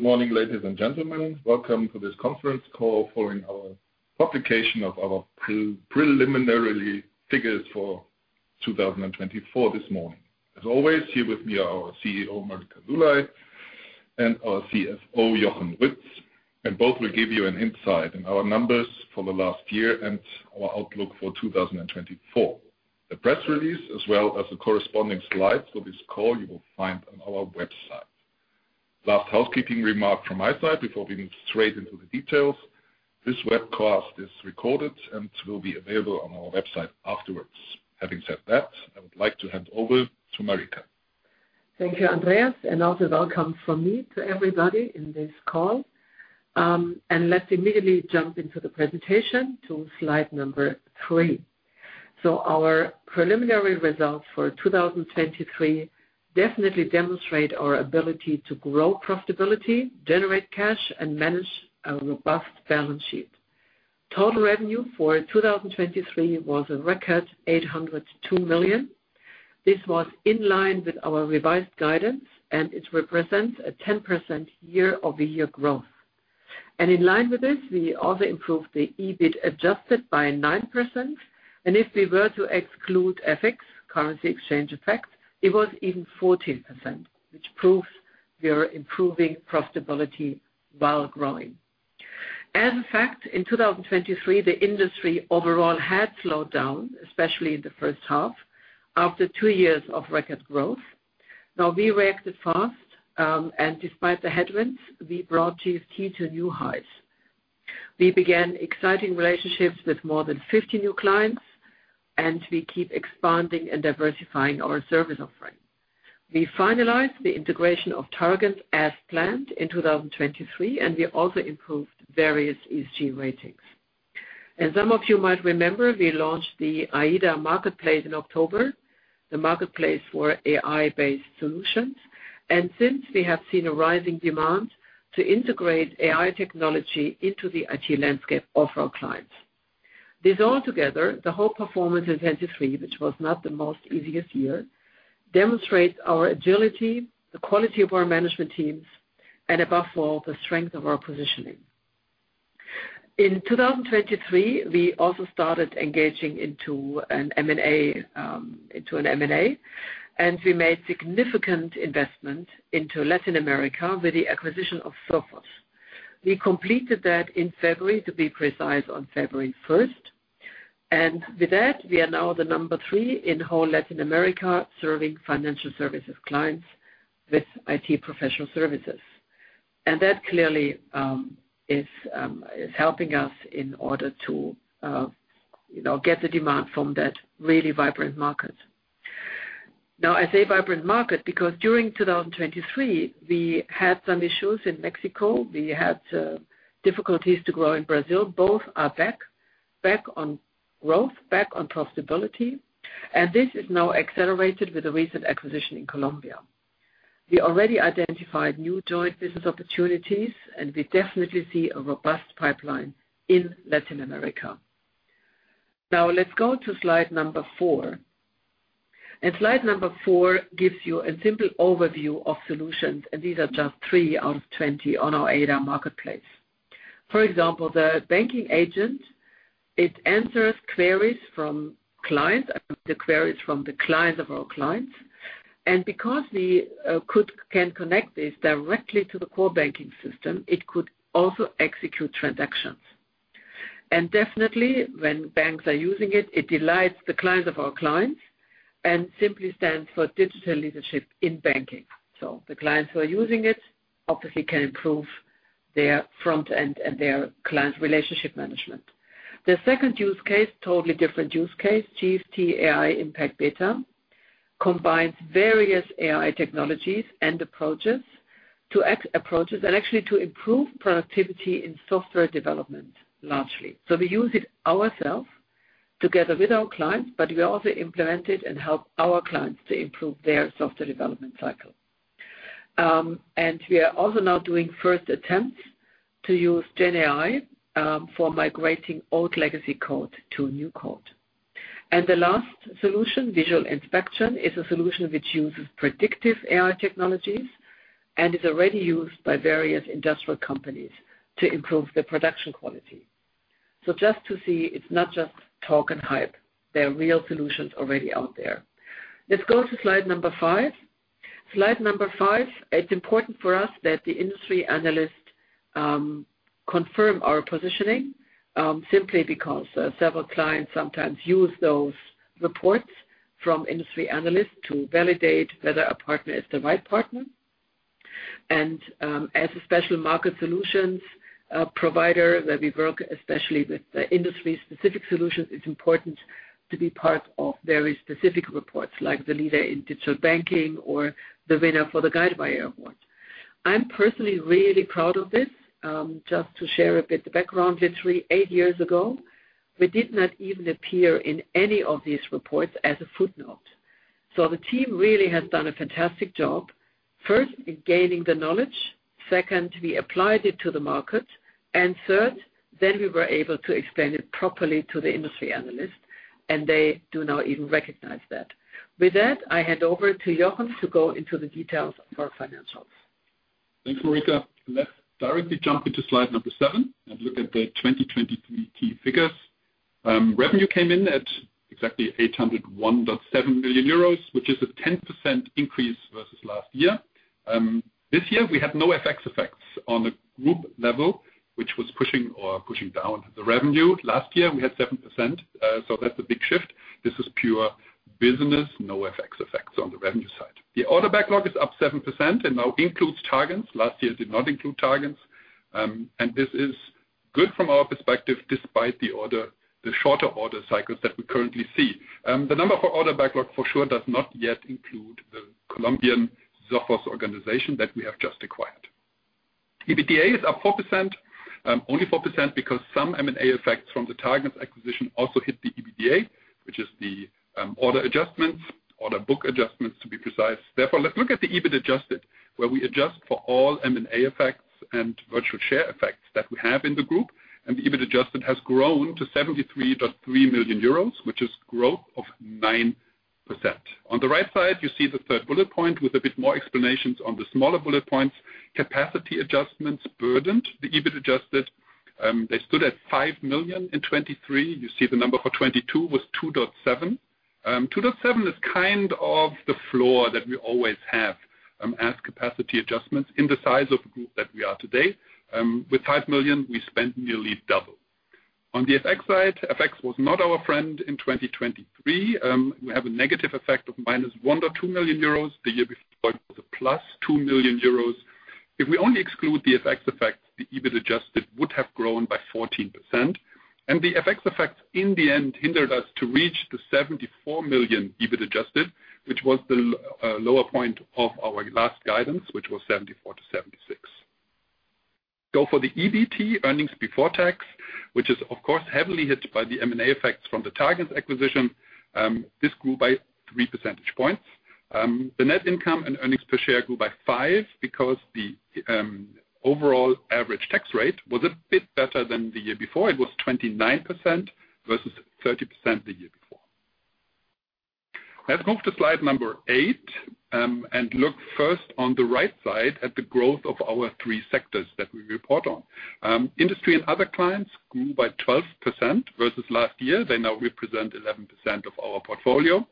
Good morning, ladies and gentlemen. Welcome to this conference call following our publication of our preliminary figures for 2024 this morning. As always, here with me are our CEO, Marika Lulay, and our CFO, Jochen Ruetz. Both will give you an insight in our numbers for the last year and our outlook for 2024. The press release, as well as the corresponding slides for this call, you will find on our website. Last housekeeping remark from my side before we move straight into the details: this webcast is recorded and will be available on our website afterwards. Having said that, I would like to hand over to Marika. Thank you, Andreas, and also welcome from me to everybody in this call. Let's immediately jump into the presentation to slide number 3. Our preliminary results for 2023 definitely demonstrate our ability to grow profitability, generate cash, and manage a robust balance sheet. Total revenue for 2023 was a record 802 million. This was in line with our revised guidance, and it represents a 10% year-over-year growth. In line with this, we also improved the EBIT adjusted by 9%, and if we were to exclude FX, currency exchange effect, it was even 14%, which proves we are improving profitability while growing. As a fact, in 2023, the industry overall had slowed down, especially in the first half, after two years of record growth. Now, we reacted fast, and despite the headwinds, we brought GFT to new highs. We began exciting relationships with more than 50 new clients, and we keep expanding and diversifying our service offering. We finalized the integration of targens as planned in 2023, and we also improved various ESG ratings. Some of you might remember, we launched the AIDA marketplace in October, the marketplace for AI-based solutions, and since we have seen a rising demand to integrate AI technology into the IT landscape of our clients. This altogether, the whole performance in 2023, which was not the most easiest year, demonstrates our agility, the quality of our management teams, and above all, the strength of our positioning. In 2023, we also started engaging into an M&A, into an M&A, and we made significant investment into Latin America with the acquisition of Sophos. We completed that in February, to be precise, on February 1st. With that, we are now the number 3 in whole Latin America serving financial services clients with IT professional services. That clearly is helping us in order to, you know, get the demand from that really vibrant market. Now, I say vibrant market because during 2023, we had some issues in Mexico. We had difficulties to grow in Brazil. Both are back on growth, back on profitability. This is now accelerated with a recent acquisition in Colombia. We already identified new joint business opportunities, and we definitely see a robust pipeline in Latin America. Now, let's go to slide number 4. Slide number 4 gives you a simple overview of solutions, and these are just 3 out of 20 on our AIDA marketplace. For example, the Banking Agent, it answers queries from clients, I mean, the queries from the clients of our clients. And because we could connect this directly to the core banking system, it could also execute transactions. And definitely, when banks are using it, it delights the clients of our clients and simply stands for digital leadership in banking. So the clients who are using it obviously can improve their front end and their client relationship management. The second use case, totally different use case, GFT AI Impact Beta, combines various AI technologies and approaches and actually to improve productivity in software development largely. So we use it ourselves together with our clients, but we also implement it and help our clients to improve their software development cycle. And we are also now doing first attempts to use GenAI for migrating old legacy code to new code. The last solution, Visual Inspection, is a solution which uses predictive AI technologies and is already used by various industrial companies to improve the production quality. So just to see, it's not just talk and hype. There are real solutions already out there. Let's go to slide number 5. Slide number 5, it's important for us that the industry analysts confirm our positioning, simply because several clients sometimes use those reports from industry analysts to validate whether a partner is the right partner. And, as a special market solutions provider where we work especially with industry-specific solutions, it's important to be part of very specific reports like the leader in digital banking or the winner for the Guidewire Award. I'm personally really proud of this, just to share a bit the background. Literally, eight years ago, we did not even appear in any of these reports as a footnote. So the team really has done a fantastic job, first, in gaining the knowledge, second, we applied it to the market, and third, then we were able to explain it properly to the industry analyst, and they do now even recognize that. With that, I hand over to Jochen to go into the details of our financials. Thanks, Marika. Let's directly jump into slide number 7 and look at the 2023 key figures. Revenue came in at exactly 801.7 million euros, which is a 10% increase versus last year. This year, we had no FX effects on a group level, which was pushing or pushing down the revenue. Last year, we had 7%, so that's a big shift. This is pure business, no FX effects on the revenue side. The order backlog is up 7% and now includes Targens. Last year, it did not include Targens. And this is good from our perspective despite the shorter order cycles that we currently see. The number for order backlog for sure does not yet include the Colombian Sophos Solutions organization that we have just acquired. EBITDA is up 4%, only 4% because some M&A effects from the targens acquisition also hit the EBITDA, which is the order adjustments, order book adjustments to be precise. Therefore, let's look at the EBIT adjusted, where we adjust for all M&A effects and virtual share effects that we have in the group. And the EBIT adjusted has grown to 73.3 million euros, which is growth of 9%. On the right side, you see the third bullet point with a bit more explanations on the smaller bullet points. Capacity adjustments burdened the EBIT adjusted. They stood at 5 million in 2023. You see the number for 2022 was 2.7. 2.7 is kind of the floor that we always have, as capacity adjustments in the size of the group that we are today. With 5 million, we spent nearly double. On the FX side, FX was not our friend in 2023. We have a negative effect of minus 1 million or 2 million euros. The year before, it was a plus 2 million euros. If we only exclude the FX effects, the EBIT adjusted would have grown by 14%. And the FX effects, in the end, hindered us to reach the 74 million EBIT adjusted, which was the lower point of our last guidance, which was 74 million-76 million. Go for the EBT, earnings before tax, which is, of course, heavily hit by the M&A effects from the targens acquisition. This grew by 3 percentage points. The net income and earnings per share grew by 5% because the overall average tax rate was a bit better than the year before. It was 29% versus 30% the year before. Let's move to slide number 8, and look first on the right side at the growth of our three sectors that we report on. Industry and other clients grew by 12% versus last year. They now represent 11% of our portfolio.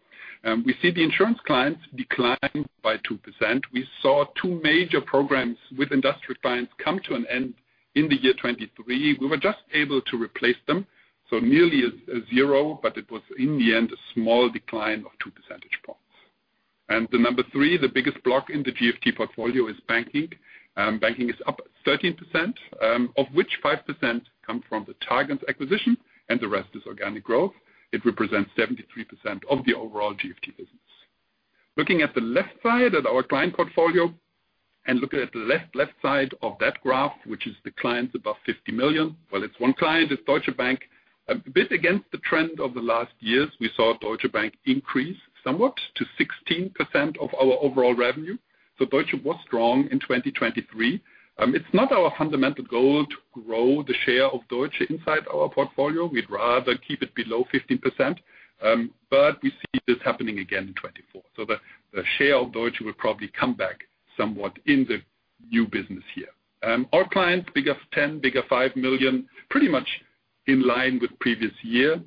We see the insurance clients decline by 2%. We saw 2 major programs with industrial clients come to an end in the year 2023. We were just able to replace them, so nearly a zero, but it was, in the end, a small decline of 2 percentage points. And the number three, the biggest block in the GFT portfolio is banking. Banking is up 13%, of which 5% come from the targens acquisition, and the rest is organic growth. It represents 73% of the overall GFT business. Looking at the left side at our client portfolio and looking at the left, left side of that graph, which is the clients above 50 million. Well, it's one client, it's Deutsche Bank. A bit against the trend of the last years, we saw Deutsche Bank increase somewhat to 16% of our overall revenue. So Deutsche was strong in 2023. It's not our fundamental goal to grow the share of Deutsche inside our portfolio. We'd rather keep it below 15%. But we see this happening again in 2024. So the, the share of Deutsche will probably come back somewhat in the new business year. Our clients, bigger 10, bigger 5 million, pretty much in line with previous year.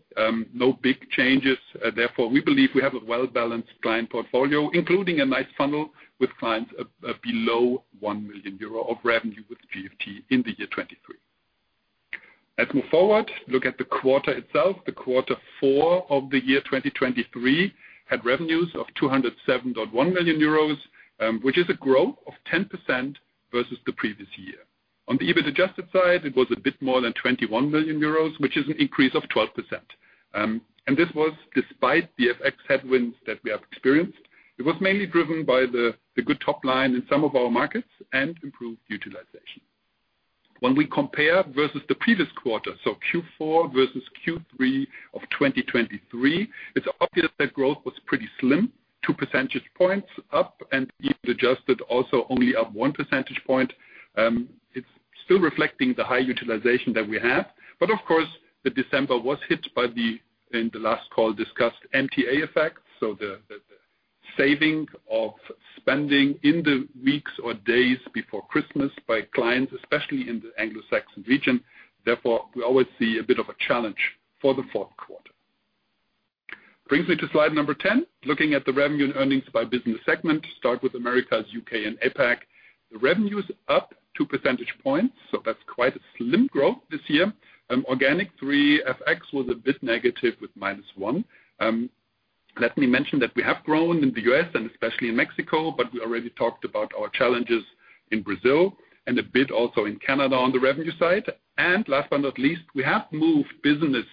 No big changes. Therefore, we believe we have a well-balanced client portfolio, including a nice funnel with clients below 1 million euro of revenue with GFT in the year 2023. Let's move forward, look at the quarter itself. The quarter four of the year 2023 had revenues of 207.1 million euros, which is a growth of 10% versus the previous year. On the EBIT adjusted side, it was a bit more than 21 million euros, which is an increase of 12%. This was despite the FX headwinds that we have experienced. It was mainly driven by the good top line in some of our markets and improved utilization. When we compare versus the previous quarter, so Q4 versus Q3 of 2023, it's obvious that growth was pretty slim, 2 percentage points up, and EBIT adjusted also only up 1 percentage point. It's still reflecting the high utilization that we have. But of course, the December was hit by the, in the last call discussed, M&A effects, so the saving of spending in the weeks or days before Christmas by clients, especially in the Anglo-Saxon region. Therefore, we always see a bit of a challenge for the fourth quarter. Brings me to slide number 10, looking at the revenue and earnings by business segment. Start with Americas, U.K., and APAC. The revenue's up 2 percentage points, so that's quite a slim growth this year. Organic 3, FX was a bit negative with -1. Let me mention that we have grown in the U.S. and especially in Mexico, but we already talked about our challenges in Brazil and a bit also in Canada on the revenue side. And last but not least, we have moved business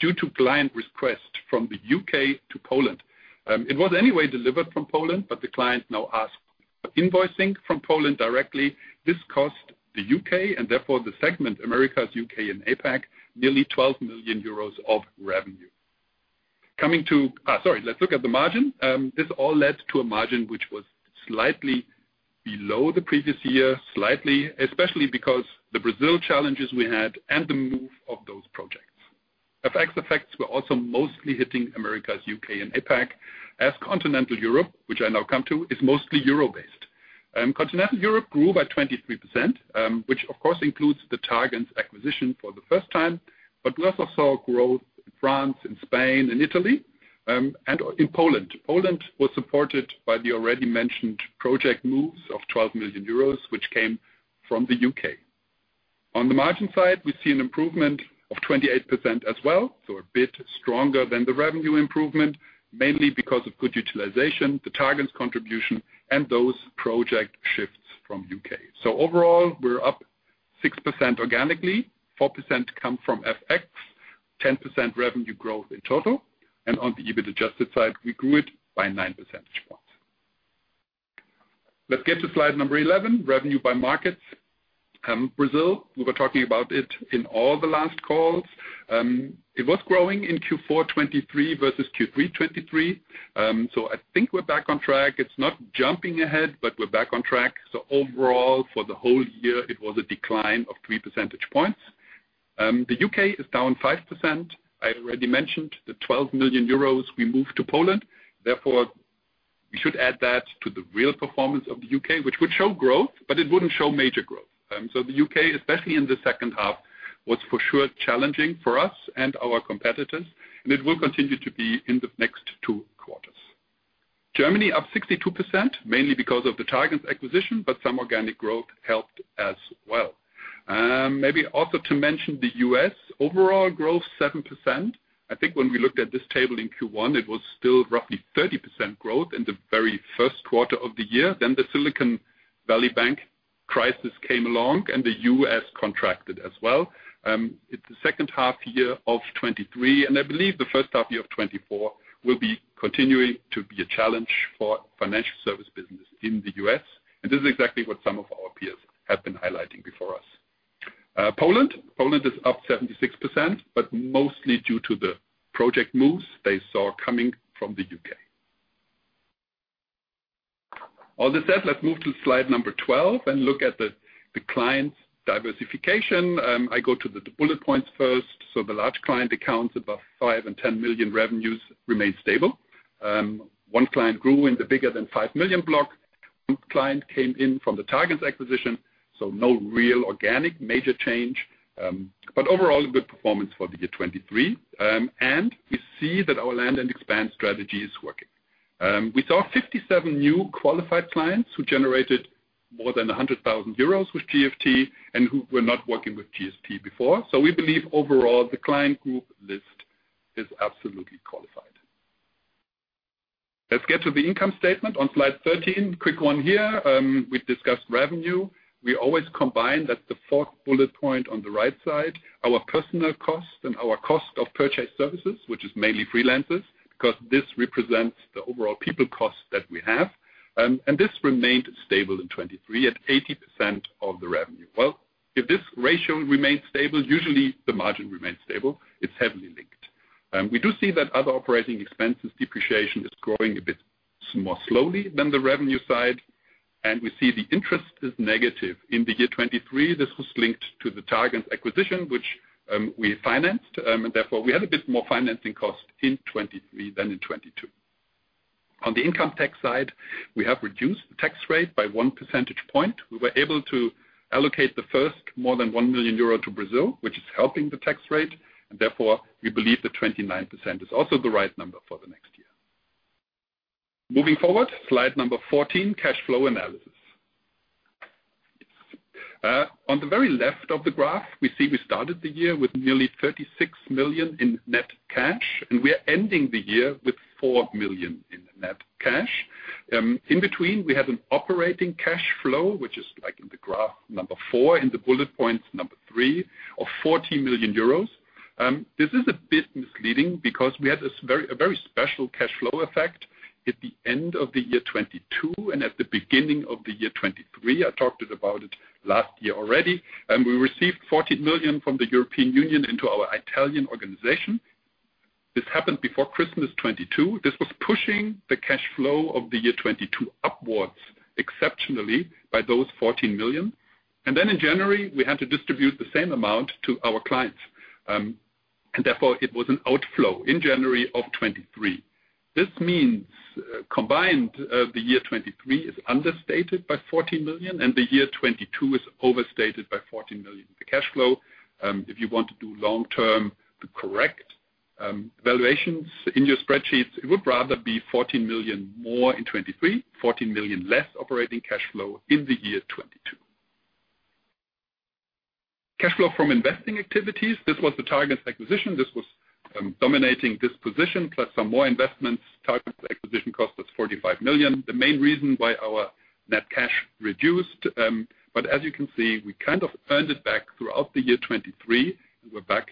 due to client request from the U.K. to Poland. It was anyway delivered from Poland, but the client now asked for invoicing from Poland directly. This cost the UK, and therefore the segment, Americas, UK, and APAC, nearly 12 million euros of revenue. Sorry, let's look at the margin. This all led to a margin which was slightly below the previous year, slightly, especially because the Brazil challenges we had and the move of those projects. FX effects were also mostly hitting Americas, UK, and APAC, as Continental Europe, which I now come to, is mostly euro-based. Continental Europe grew by 23%, which of course includes the Targens acquisition for the first time. But we also saw growth in France, in Spain, in Italy, and in Poland. Poland was supported by the already mentioned project moves of 12 million euros, which came from the UK. On the margin side, we see an improvement of 28% as well, so a bit stronger than the revenue improvement, mainly because of good utilization, the Targens contribution, and those project shifts from UK. So overall, we're up 6% organically, 4% come from FX, 10% revenue growth in total. And on the EBIT adjusted side, we grew it by 9 percentage points. Let's get to slide number 11, revenue by markets. Brazil, we were talking about it in all the last calls. It was growing in Q4 2023 versus Q3 2023. So I think we're back on track. It's not jumping ahead, but we're back on track. So overall, for the whole year, it was a decline of 3 percentage points. The UK is down 5%. I already mentioned the 12 million euros we moved to Poland. Therefore, we should add that to the real performance of the UK, which would show growth, but it wouldn't show major growth. So the UK, especially in the second half, was for sure challenging for us and our competitors, and it will continue to be in the next two quarters. Germany up 62%, mainly because of the targens acquisition, but some organic growth helped as well. Maybe also to mention the US, overall growth 7%. I think when we looked at this table in Q1, it was still roughly 30% growth in the very first quarter of the year. Then the Silicon Valley Bank crisis came along, and the US contracted as well. It's the second half year of 2023, and I believe the first half year of 2024 will be continuing to be a challenge for financial service business in the US. And this is exactly what some of our peers have been highlighting before us. Poland, Poland is up 76%, but mostly due to the project moves they saw coming from the UK. All this said, let's move to slide number 12 and look at the clients' diversification. I go to the bullet points first. So the large client accounts above 5 million and 10 million revenues remain stable. One client grew in the bigger than 5 million block. One client came in from the targens acquisition, so no real organic major change. But overall, good performance for the year 2023. And we see that our land and expand strategy is working. We saw 57 new qualified clients who generated more than 100,000 euros with GFT and who were not working with GFT before. So we believe overall, the client group list is absolutely qualified. Let's get to the income statement on slide 13. Quick one here. We discussed revenue. We always combine, that's the fourth bullet point on the right side, our personnel cost and our cost of purchased services, which is mainly freelancers because this represents the overall people cost that we have. And this remained stable in 2023 at 80% of the revenue. Well, if this ratio remains stable, usually the margin remains stable. It's heavily linked. We do see that other operating expenses, depreciation, is growing a bit more slowly than the revenue side. And we see the interest is negative in the year 2023. This was linked to the targens acquisition, which we financed. And therefore, we had a bit more financing cost in 2023 than in 2022. On the income tax side, we have reduced the tax rate by 1 percentage point. We were able to allocate the first more than 1 million euro to Brazil, which is helping the tax rate. Therefore, we believe the 29% is also the right number for the next year. Moving forward, slide number 14, cash flow analysis. On the very left of the graph, we see we started the year with nearly 36 million in net cash, and we are ending the year with 4 million in net cash. In between, we had an operating cash flow, which is like in the graph number 4, in the bullet points number 3, of 40 million euros. This is a bit misleading because we had a very, a very special cash flow effect at the end of the year 2022 and at the beginning of the year 2023. I talked about it last year already. We received 14 million from the European Union into our Italian organization. This happened before Christmas 2022. This was pushing the cash flow of the year 2022 upwards exceptionally by those 14 million. And then in January, we had to distribute the same amount to our clients, and therefore, it was an outflow in January of 2023. This means, combined, the year 2023 is understated by 14 million, and the year 2022 is overstated by 14 million. The cash flow, if you want to do long-term the correct valuations in your spreadsheets, it would rather be 14 million more in 2023, 14 million less operating cash flow in the year 2022. Cash flow from investing activities. This was the targens acquisition. This was dominating this position plus some more investments. targens acquisition cost us 45 million, the main reason why our net cash reduced. But as you can see, we kind of earned it back throughout the year 2023, and we're back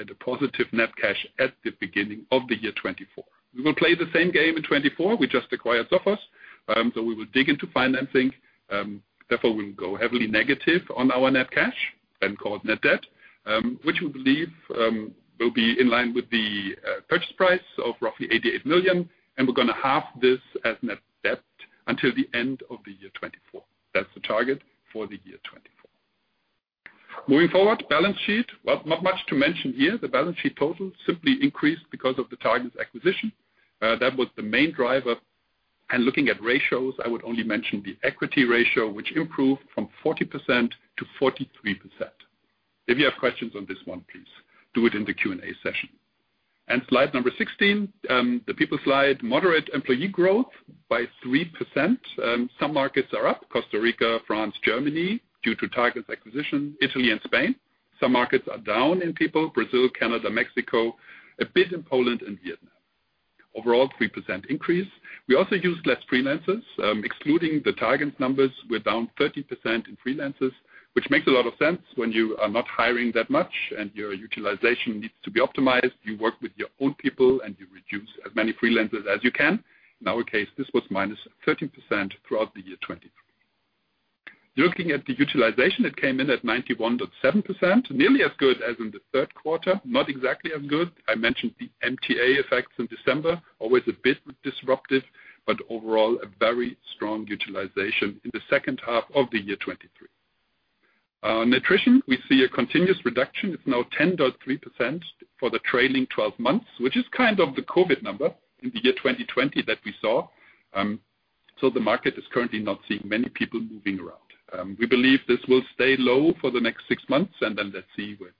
at a positive net cash at the beginning of the year 2024. We will play the same game in 2024. We just acquired Sophos. So we will dip into financing. Therefore, we will go heavily negative on our net cash, then called net debt, which we believe will be in line with the purchase price of roughly 88 million. And we're gonna have this as net debt until the end of the year 2024. That's the target for the year 2024. Moving forward, balance sheet. Well, not much to mention here. The balance sheet total simply increased because of the targens acquisition. That was the main driver. And looking at ratios, I would only mention the equity ratio, which improved from 40%-43%. If you have questions on this one, please do it in the Q&A session. Slide number 16, the people slide, moderate employee growth by 3%. Some markets are up, Costa Rica, France, Germany due to Targens acquisition, Italy and Spain. Some markets are down in people, Brazil, Canada, Mexico, a bit in Poland and Vietnam. Overall, 3% increase. We also used less freelancers. Excluding the Targens numbers, we're down 30% in freelancers, which makes a lot of sense when you are not hiring that much and your utilization needs to be optimized. You work with your own people, and you reduce as many freelancers as you can. In our case, this was -13% throughout the year 2023. Looking at the utilization, it came in at 91.7%, nearly as good as in the third quarter, not exactly as good. I mentioned the M&A effects in December, always a bit disruptive, but overall, a very strong utilization in the second half of the year 2023. Utilization, we see a continuous reduction. It's now 10.3% for the trailing 12 months, which is kind of the COVID number in the year 2020 that we saw. So the market is currently not seeing many people moving around. We believe this will stay low for the next six months, and then let's see where it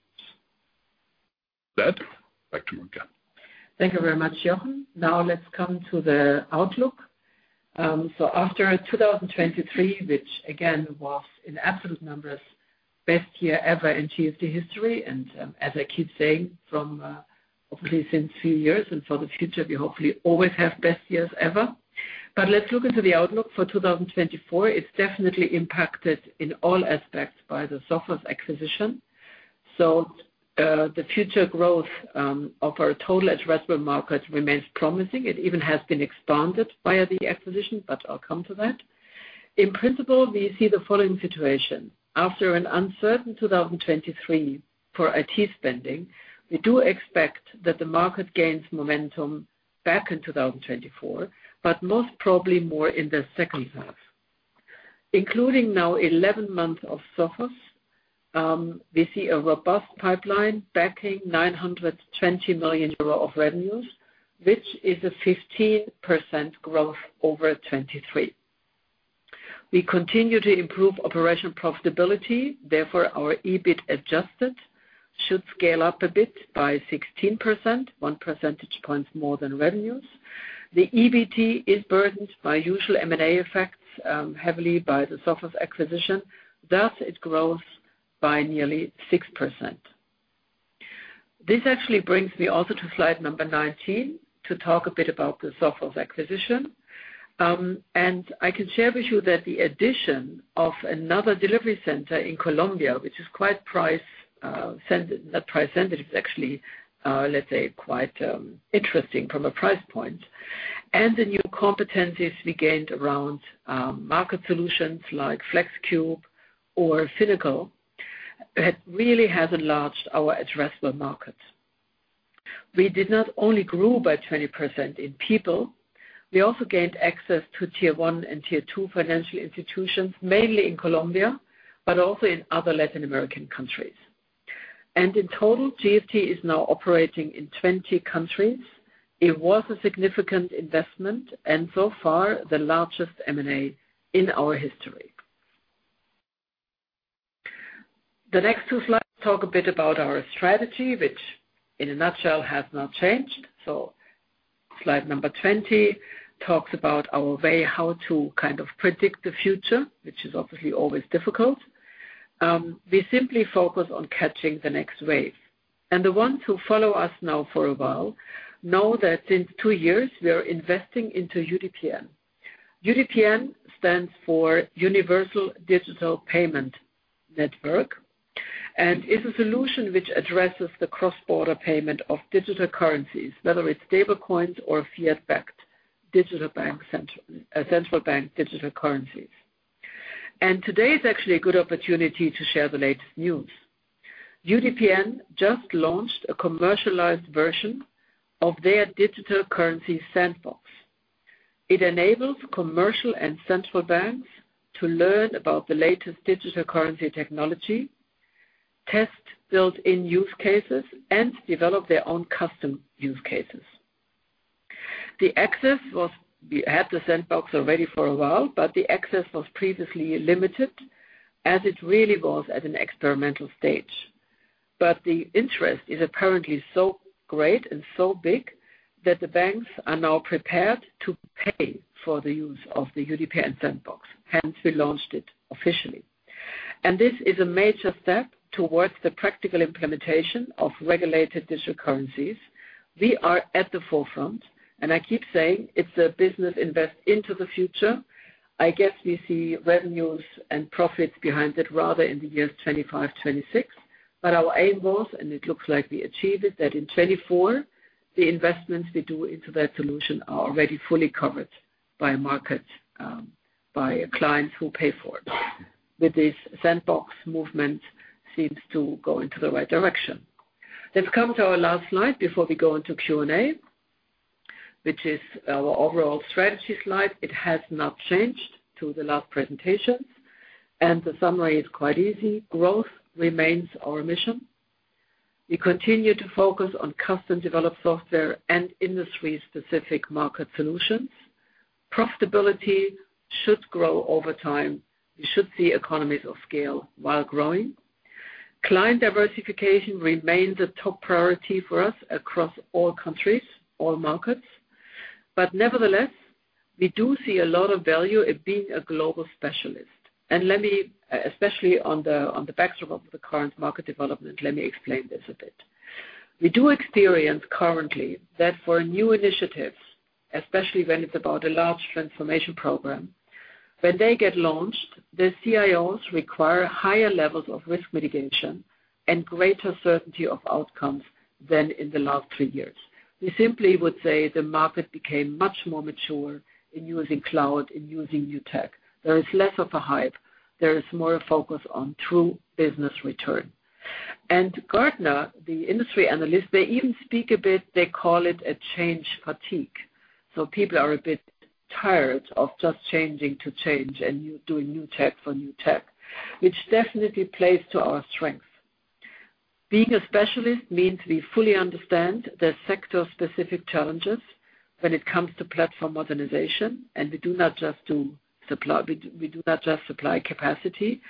goes. That. Back to Marika. Thank you very much, Jochen. Now let's come to the outlook. So after 2023, which again was in absolute numbers, best year ever in GFT history. And, as I keep saying from, obviously since few years and for the future, we hopefully always have best years ever. But let's look into the outlook for 2024. It's definitely impacted in all aspects by the Sophos acquisition. So, the future growth of our total addressable market remains promising. It even has been expanded via the acquisition, but I'll come to that. In principle, we see the following situation. After an uncertain 2023 for IT spending, we do expect that the market gains momentum back in 2024, but most probably more in the second half. Including now 11 months of Sophos, we see a robust pipeline backing 920 million euro of revenues, which is a 15% growth over 2023. We continue to improve operation profitability. Therefore, our EBIT adjusted should scale up a bit by 16%, 1 percentage points more than revenues. The EBT is burdened by usual M&A effects, heavily by the Sophos acquisition. Thus, it grows by nearly 6%. This actually brings me also to slide number 19 to talk a bit about the Sophos acquisition. And I can share with you that the addition of another delivery center in Colombia, which is quite price-sensitive, not price-sensitive, actually, let's say quite interesting from a price point. And the new competencies we gained around market solutions like Flexcube or Finacle really has enlarged our addressable market. We did not only grew by 20% in people. We also gained access to tier one and tier two financial institutions, mainly in Colombia, but also in other Latin American countries. And in total, GFT is now operating in 20 countries. It was a significant investment and so far the largest M&A in our history. The next two slides talk a bit about our strategy, which in a nutshell has not changed. So slide number 20 talks about our way how to kind of predict the future, which is obviously always difficult. We simply focus on catching the next wave. The ones who follow us now for a while know that since 2 years, we are investing into UDPN. UDPN stands for Universal Digital Payment Network, and it's a solution which addresses the cross-border payment of digital currencies, whether it's stablecoins or fiat-backed digital bank central central bank digital currencies. Today is actually a good opportunity to share the latest news. UDPN just launched a commercialized version of their digital currency sandbox. It enables commercial and central banks to learn about the latest digital currency technology, test built-in use cases, and develop their own custom use cases. The access was we had the sandbox already for a while, but the access was previously limited as it really was at an experimental stage. But the interest is apparently so great and so big that the banks are now prepared to pay for the use of the UDPN sandbox. Hence, we launched it officially. And this is a major step towards the practical implementation of regulated digital currencies. We are at the forefront. And I keep saying it's a business invest into the future. I guess we see revenues and profits behind it rather in the years 2025, 2026. But our aim was, and it looks like we achieved it, that in 2024, the investments we do into that solution are already fully covered by markets, by clients who pay for it. With this sandbox movement seems to go into the right direction. Let's come to our last slide before we go into Q&A, which is our overall strategy slide. It has not changed to the last presentations. And the summary is quite easy. Growth remains our mission. We continue to focus on custom-developed software and industry-specific market solutions. Profitability should grow over time. We should see economies of scale while growing. Client diversification remains a top priority for us across all countries, all markets. But nevertheless, we do see a lot of value in being a global specialist. Let me especially on the backdrop of the current market development explain this a bit. We do experience currently that for new initiatives, especially when it's about a large transformation program, when they get launched, their CIOs require higher levels of risk mitigation and greater certainty of outcomes than in the last three years. We simply would say the market became much more mature in using cloud, in using new tech. There is less of a hype. There is more focus on true business return. Gartner, the industry analyst, they even speak a bit. They call it a change fatigue. So people are a bit tired of just changing to change and new doing new tech for new tech, which definitely plays to our strengths. Being a specialist means we fully understand the sector-specific challenges when it comes to platform modernization. We do not just supply capacity.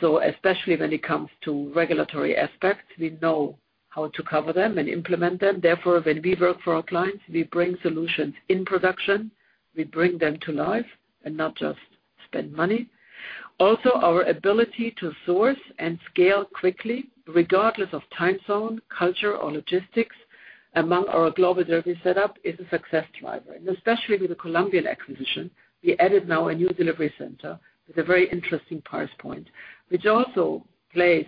So especially when it comes to regulatory aspects, we know how to cover them and implement them. Therefore, when we work for our clients, we bring solutions in production. We bring them to life and not just spend money. Also, our ability to source and scale quickly, regardless of time zone, culture, or logistics among our global delivery setup, is a success driver. Especially with the Colombian acquisition, we added now a new delivery center with a very interesting price point, which also plays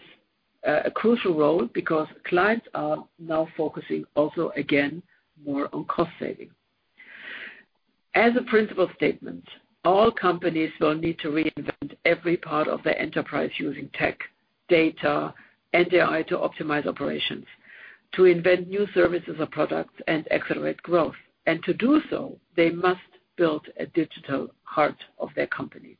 a crucial role because clients are now focusing also again more on cost saving. As a principal statement, all companies will need to reinvent every part of their enterprise using tech, data, and AI to optimize operations, to invent new services or products, and accelerate growth. To do so, they must build a digital heart of their company.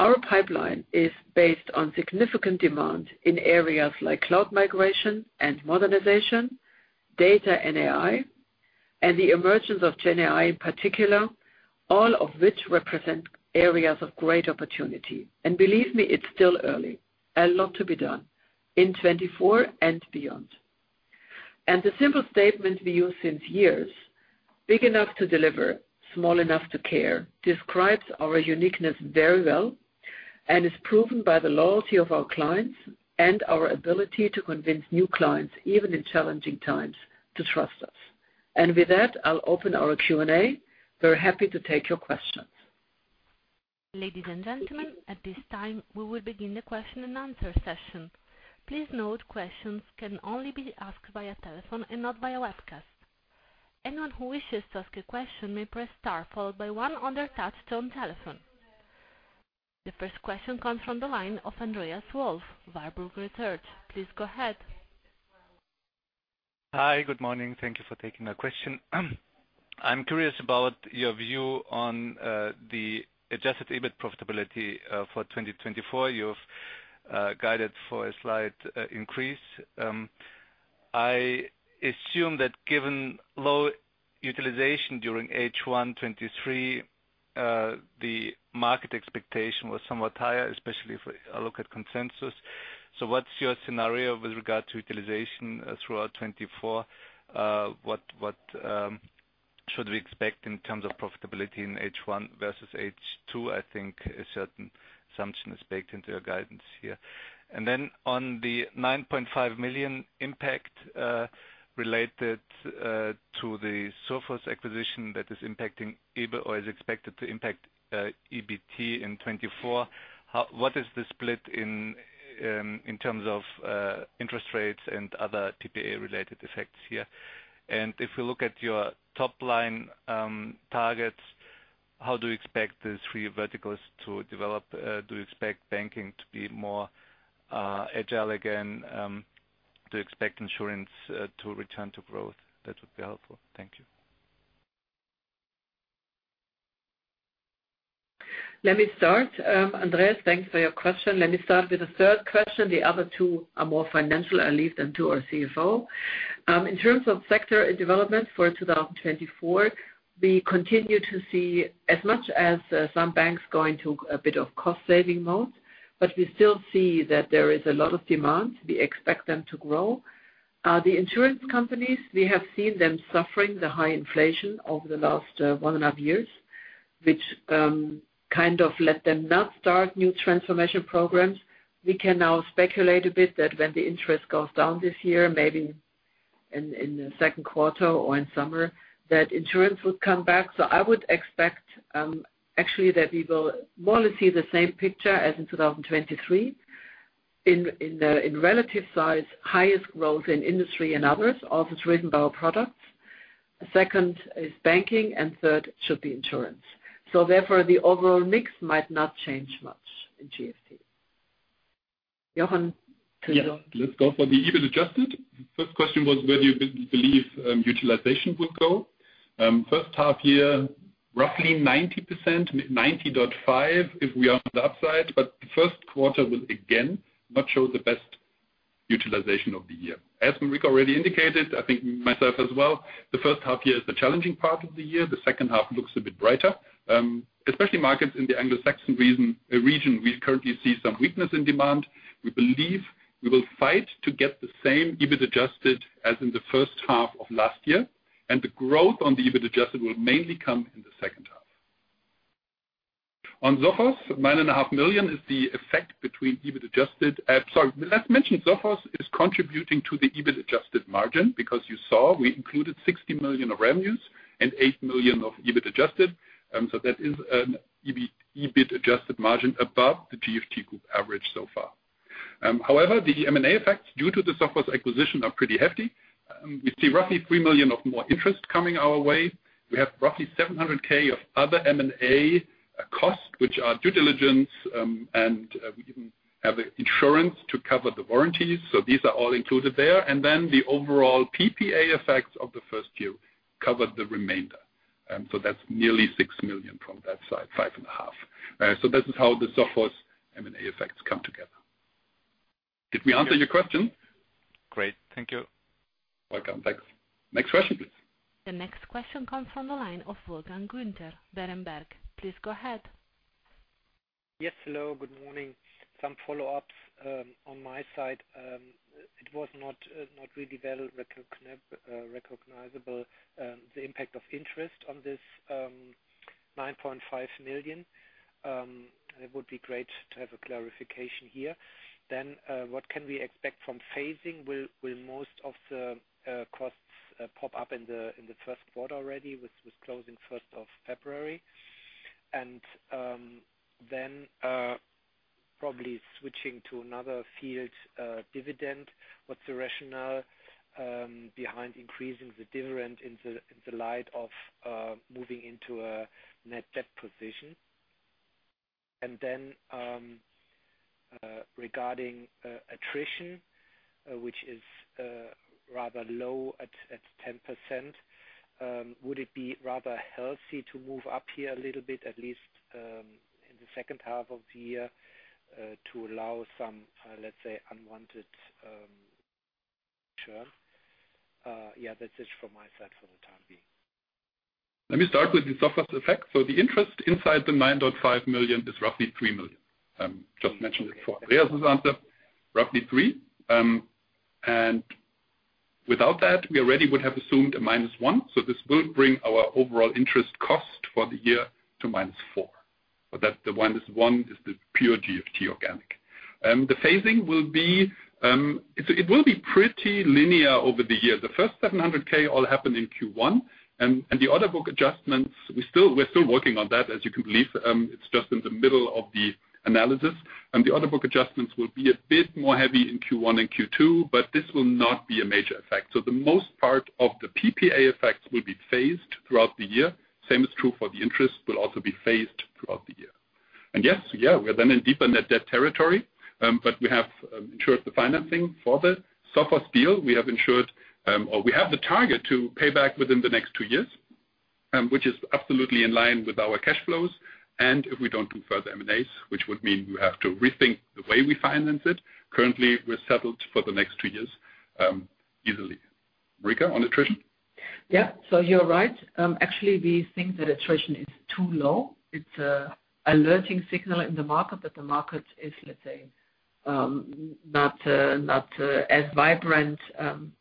Our pipeline is based on significant demand in areas like cloud migration and modernization, data and AI, and the emergence of GenAI in particular, all of which represent areas of great opportunity. Believe me, it's still early. A lot to be done in 2024 and beyond. The simple statement we use since years, "Big enough to deliver, small enough to care," describes our uniqueness very well and is proven by the loyalty of our clients and our ability to convince new clients, even in challenging times, to trust us. With that, I'll open our Q&A. Very happy to take your questions. Ladies and gentlemen, at this time, we will begin the question-and-answer session. Please note, questions can only be asked via telephone and not via webcast. Anyone who wishes to ask a question may press star followed by one other touch to on telephone. The first question comes from the line of Andreas Wolf, Warburg Research. Please go ahead. Hi. Good morning. Thank you for taking the question. I'm curious about your view on the adjusted EBIT profitability for 2024. You've guided for a slight increase. I assume that given low utilization during H1 2023, the market expectation was somewhat higher, especially if we look at consensus. So what's your scenario with regard to utilization, throughout 2024? What, what, should we expect in terms of profitability in H1 versus H2? I think a certain assumption is baked into your guidance here. And then on the 9.5 million impact, related, to the Sophos acquisition that is impacting EBIT or is expected to impact, EBT in 2024, how what is the split in terms of, interest rates and other PPA-related effects here? And if we look at your top-line targets, how do you expect the three verticals to develop? Do you expect banking to be more agile again? Do you expect insurance to return to growth? That would be helpful. Thank you. Let me start. Andreas, thanks for your question. Let me start with the third question. The other two are more financial, I believe, than to our CFO. In terms of sector development for 2024, we continue to see as much as, some banks going to a bit of cost-saving mode, but we still see that there is a lot of demand. We expect them to grow. The insurance companies, we have seen them suffering the high inflation over the last one and a half years, which kind of let them not start new transformation programs. We can now speculate a bit that when the interest goes down this year, maybe in the second quarter or in summer, that insurance would come back. So I would expect, actually that we will more or less see the same picture as in 2023 in relative size, highest growth in industry and others, also driven by our products. Second is banking, and third should be insurance. So therefore, the overall mix might not change much in GFT. Jochen, to you. Yeah. Let's go for the EBIT adjusted. First question was where do you believe utilization would go? First half year, roughly 90%, 90.5% if we are on the upside. But the first quarter will, again, not show the best utilization of the year. As Marika already indicated, I think myself as well, the first half year is the challenging part of the year. The second half looks a bit brighter, especially markets in the Anglo-Saxon region. Region we currently see some weakness in demand. We believe we will fight to get the same EBIT adjusted as in the first half of last year. And the growth on the EBIT adjusted will mainly come in the second half. On Sophos, 9.5 million is the effect between EBIT adjusted sorry. Let's mention Sophos is contributing to the EBIT adjusted margin because you saw we included 60 million of revenues and 8 million of EBIT adjusted. So that is an EBIT adjusted margin above the GFT Group average so far. However, the M&A effects due to the Sophos acquisition are pretty hefty. We see roughly 3 million of more interest coming our way. We have roughly 700,000 of other M&A costs, which are due diligence, and we even have insurance to cover the warranties. So these are all included there. And then the overall PPA effects of the first few cover the remainder. So that's nearly 6 million from that side, 5.5 million. So this is how the Sophos M&A effects come together. Did we answer your question? Great. Thank you. Welcome. Thanks. Next question, please. The next question comes from the line of Wolfgang Günther, Berenberg. Please go ahead. Yes. Hello. Good morning. Some follow-ups on my side. It was not, not really well recognizable, the impact of interest on this 9.5 million. It would be great to have a clarification here. Then, what can we expect from phasing? Will, will most of the costs pop up in the first quarter already with closing 1st of February? And then, probably switching to another field, dividend. What's the rationale behind increasing the dividend in the light of moving into a net debt position? And then, regarding attrition, which is rather low at 10%, would it be rather healthy to move up here a little bit, at least in the second half of the year, to allow some, let's say, unwanted insurance? Yeah. That's it from my side for the time being. Let me start with the Sophos effect. So the interest inside the 9.5 million is roughly 3 million. I'm just mentioning it for Andreas's answer. Roughly 3. And without that, we already would have assumed a minus 1. So this will bring our overall interest cost for the year to minus 4. So that the minus 1 is the pure GFT organic. The phasing will be it will be pretty linear over the year. The first 700K all happen in Q1. And the order book adjustments, we're still working on that, as you can believe. It's just in the middle of the analysis. The order book adjustments will be a bit more heavy in Q1 and Q2, but this will not be a major effect. So the most part of the PPA effects will be phased throughout the year. Same is true for the interest. Will also be phased throughout the year. Yes, yeah, we're then in deeper net debt territory. But we have secured the financing for the Sophos deal. We have secured or we have the target to pay back within the next two years, which is absolutely in line with our cash flows. And if we don't do further M&As, which would mean we have to rethink the way we finance it, currently, we're settled for the next two years, easily. Marika, on attrition? Yeah. So you're right. Actually, we think that attrition is too low. It's an alarming signal in the market that the market is, let's say, not, not, as vibrant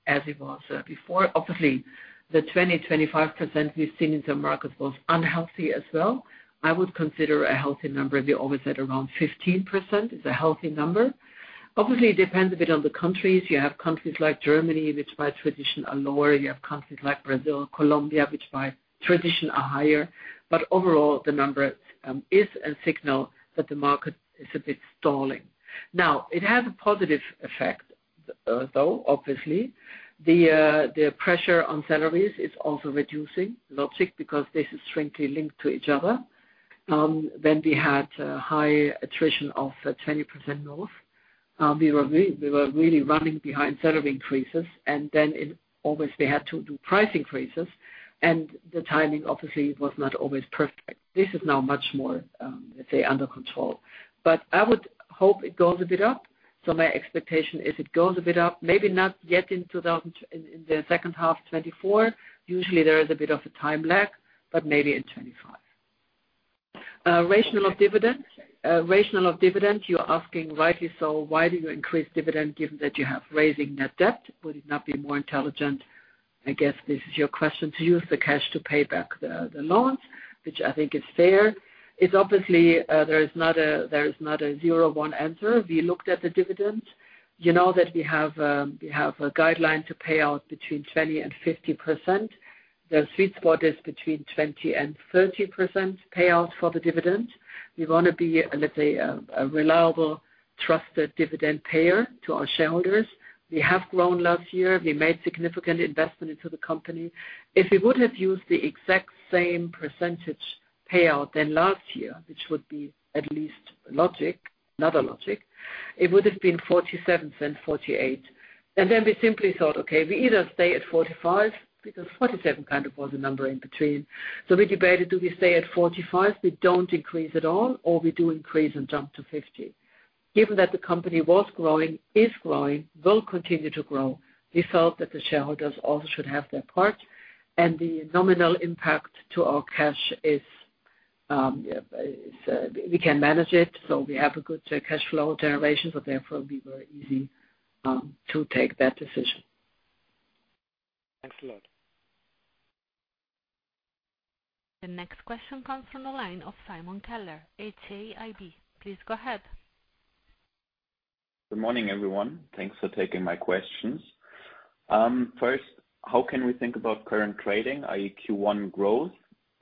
as it was before. Obviously, the 20%-25% we've seen in the market was unhealthy as well. I would consider a healthy number. We always said around 15% is a healthy number. Obviously, it depends a bit on the countries. You have countries like Germany, which by tradition are lower. You have countries like Brazil, Colombia, which by tradition are higher. But overall, the number is a signal that the market is a bit stalling. Now, it has a positive effect, though, obviously. The pressure on salaries is also reducing logically, because this is strongly linked to each other. When we had high attrition of 20% north, we were really running behind salary increases. And then we always had to do price increases. And the timing, obviously, was not always perfect. This is now much more, let's say, under control. But I would hope it goes a bit up. So my expectation is it goes a bit up, maybe not yet in 2024 in the second half of 2024. Usually, there is a bit of a time lag, but maybe in 2025. Rationale of dividend rationale of dividend, you're asking, rightly so, why do you increase dividend given that you have rising net debt? Would it not be more intelligent I guess this is your question, to use the cash to pay back the, the loans, which I think is fair? It's obvious, there is not a zero-one answer. We looked at the dividends. You know that we have a guideline to payout between 20%-50%. The sweet spot is between 20%-30% payout for the dividend. We want to be, let's say, a, a reliable, trusted dividend payer to our shareholders. We have grown last year. We made significant investment into the company. If we would have used the exact same percentage payout than last year, which would be at least logical, another logic, it would have been 0.47, 0.48. And then we simply thought, "Okay. We either stay at 45," because 47 kind of was a number in between. So we debated, "Do we stay at 45? We don't increase at all, or we do increase and jump to 50?" Given that the company was growing, is growing, will continue to grow, we felt that the shareholders also should have their part. And the nominal impact to our cash is, is, we can manage it. So we have a good, cash flow generation. So therefore, we were easy, to take that decision. Thanks a lot. The next question comes from the line of Simon Keller, HAIB. Please go ahead. Good morning, everyone. Thanks for taking my questions. First, how can we think about current trading, i.e., Q1 growth,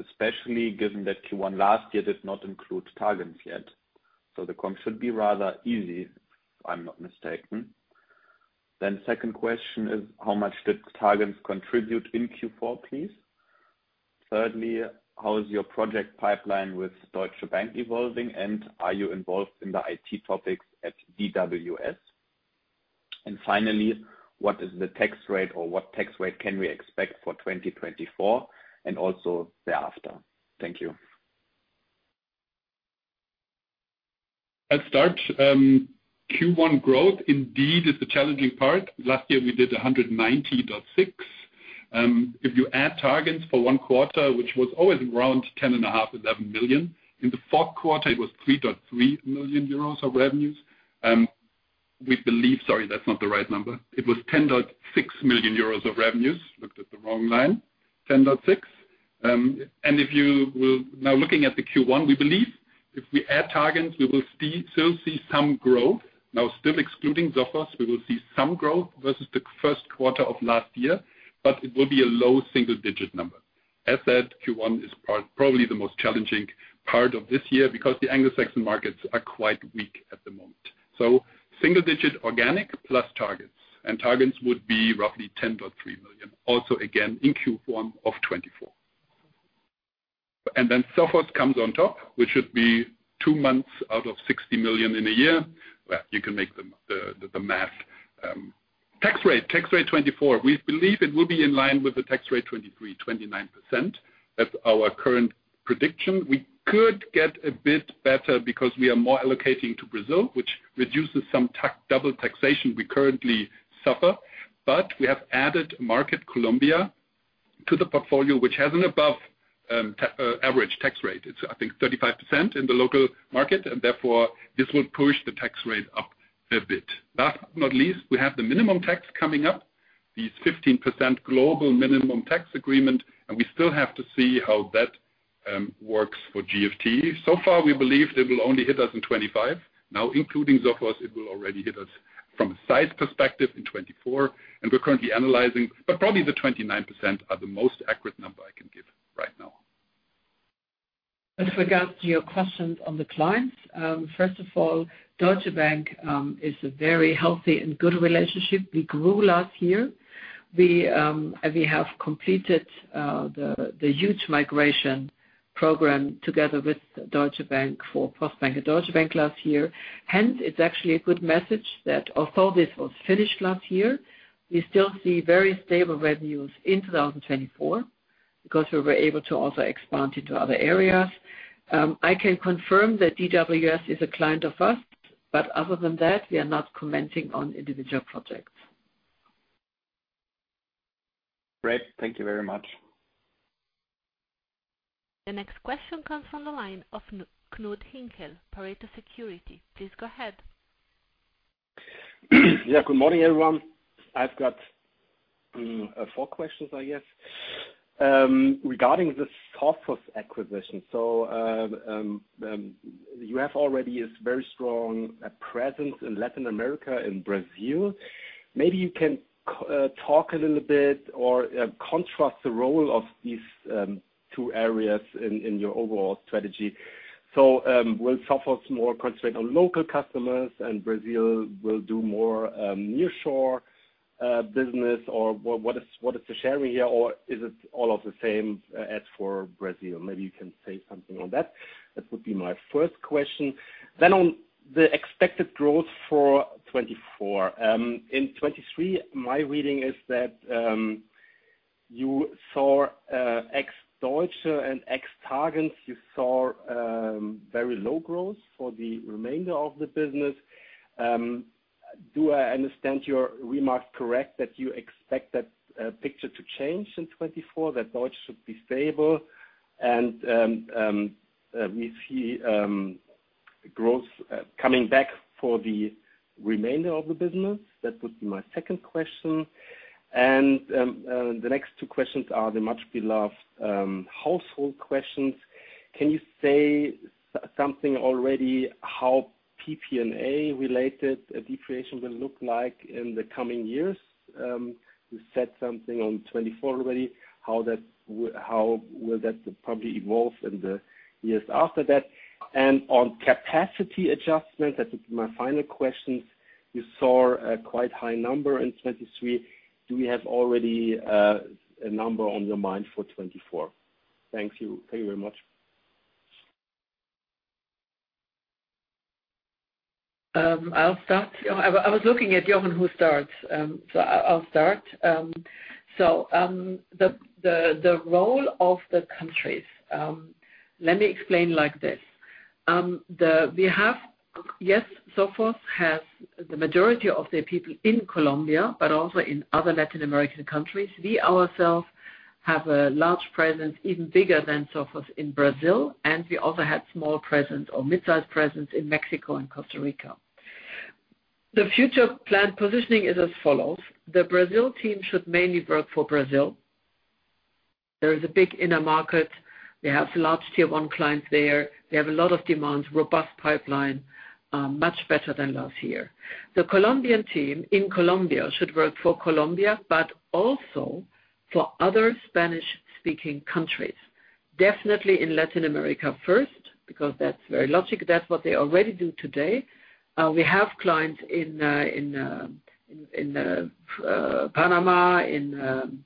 especially given that Q1 last year did not include Targens yet? So the comp should be rather easy, if I'm not mistaken. Then second question is, how much did Targens contribute in Q4, please? Thirdly, how is your project pipeline with Deutsche Bank evolving, and are you involved in the IT topics at DWS? And finally, what is the tax rate, or what tax rate can we expect for 2024 and also thereafter? Thank you. Let's start. Q1 growth, indeed, is the challenging part. Last year, we did 190.6 million. If you add Targens for one quarter, which was always around 10.5, 11 million, in the fourth quarter, it was 3.3 million euros of revenues. We believe, sorry, that's not the right number. It was 10.6 million euros of revenues. Looked at the wrong line. 10.6. And if you will now looking at the Q1, we believe if we add Targens, we will still see some growth. Now, still excluding Sophos, we will see some growth versus the first quarter of last year, but it will be a low single-digit number. As said, Q1 is probably the most challenging part of this year because the Anglo-Saxon markets are quite weak at the moment. So single-digit organic plus targets. And targets would be roughly 10.3 million, also again in Q1 of 2024. And then Sophos comes on top, which should be two months out of 60 million in a year. Well, you can make the math. Tax rate 2024, we believe it will be in line with the tax rate 2023, 29%. That's our current prediction. We could get a bit better because we are more allocating to Brazil, which reduces some that double taxation we currently suffer. But we have added market Colombia to the portfolio, which has an above average tax rate. It's, I think, 35% in the local market. And therefore, this will push the tax rate up a bit. Last but not least, we have the minimum tax coming up, these 15% global minimum tax agreement. And we still have to see how that works for GFT. So far, we believe it will only hit us in 2025. Now, including Sophos, it will already hit us from a size perspective in 2024. And we're currently analyzing but probably the 29% are the most accurate number I can give right now. Let's forget your questions on the clients. First of all, Deutsche Bank is a very healthy and good relationship. We grew last year. We have completed the huge migration program together with Deutsche Bank for Postbank at Deutsche Bank last year. Hence, it's actually a good message that although this was finished last year, we still see very stable revenues in 2024 because we were able to also expand into other areas. I can confirm that DWS is a client of us. But other than that, we are not commenting on individual projects. Great. Thank you very much. The next question comes from the line of Knud Hinkel, Pareto Securities. Please go ahead. Yeah. Good morning, everyone. I've got four questions, I guess, regarding the Sophos acquisition. So, you have already a very strong presence in Latin America, in Brazil. Maybe you can talk a little bit or contrast the role of these two areas in your overall strategy. Will Sophos more concentrate on local customers, and Brazil will do more nearshore business, or what is the sharing here, or is it all the same as for Brazil? Maybe you can say something on that. That would be my first question. Then on the expected growth for 2024, in 2023, my reading is that you saw, ex-Deutsche and ex-targens, very low growth for the remainder of the business. Do I understand your remarks correct, that you expect that picture to change in 2024, that Deutsche should be stable, and we see growth coming back for the remainder of the business? That would be my second question. And the next two questions are the much-beloved household questions. Can you say something already how PPA-related depreciation will look like in the coming years? You said something on 2024 already, how will that probably evolve in the years after that. And on capacity adjustment, that would be my final questions. You saw a quite high number in 2023. Do we have already a number on your mind for 2024? Thank you. Thank you very much. I'll start. Yeah. I was looking at Jochen, who starts. So I'll start. So, the role of the countries, let me explain like this. We have yes, Sophos has the majority of their people in Colombia but also in other Latin American countries. We ourselves have a large presence, even bigger than Sophos, in Brazil. And we also had small presence or midsize presence in Mexico and Costa Rica. The future plan positioning is as follows. The Brazil team should mainly work for Brazil. There is a big inner market. We have large Tier 1 clients there. We have a lot of demand, robust pipeline, much better than last year. The Colombian team in Colombia should work for Colombia but also for other Spanish-speaking countries, definitely in Latin America first because that's very logical. That's what they already do today. We have clients in Panama, in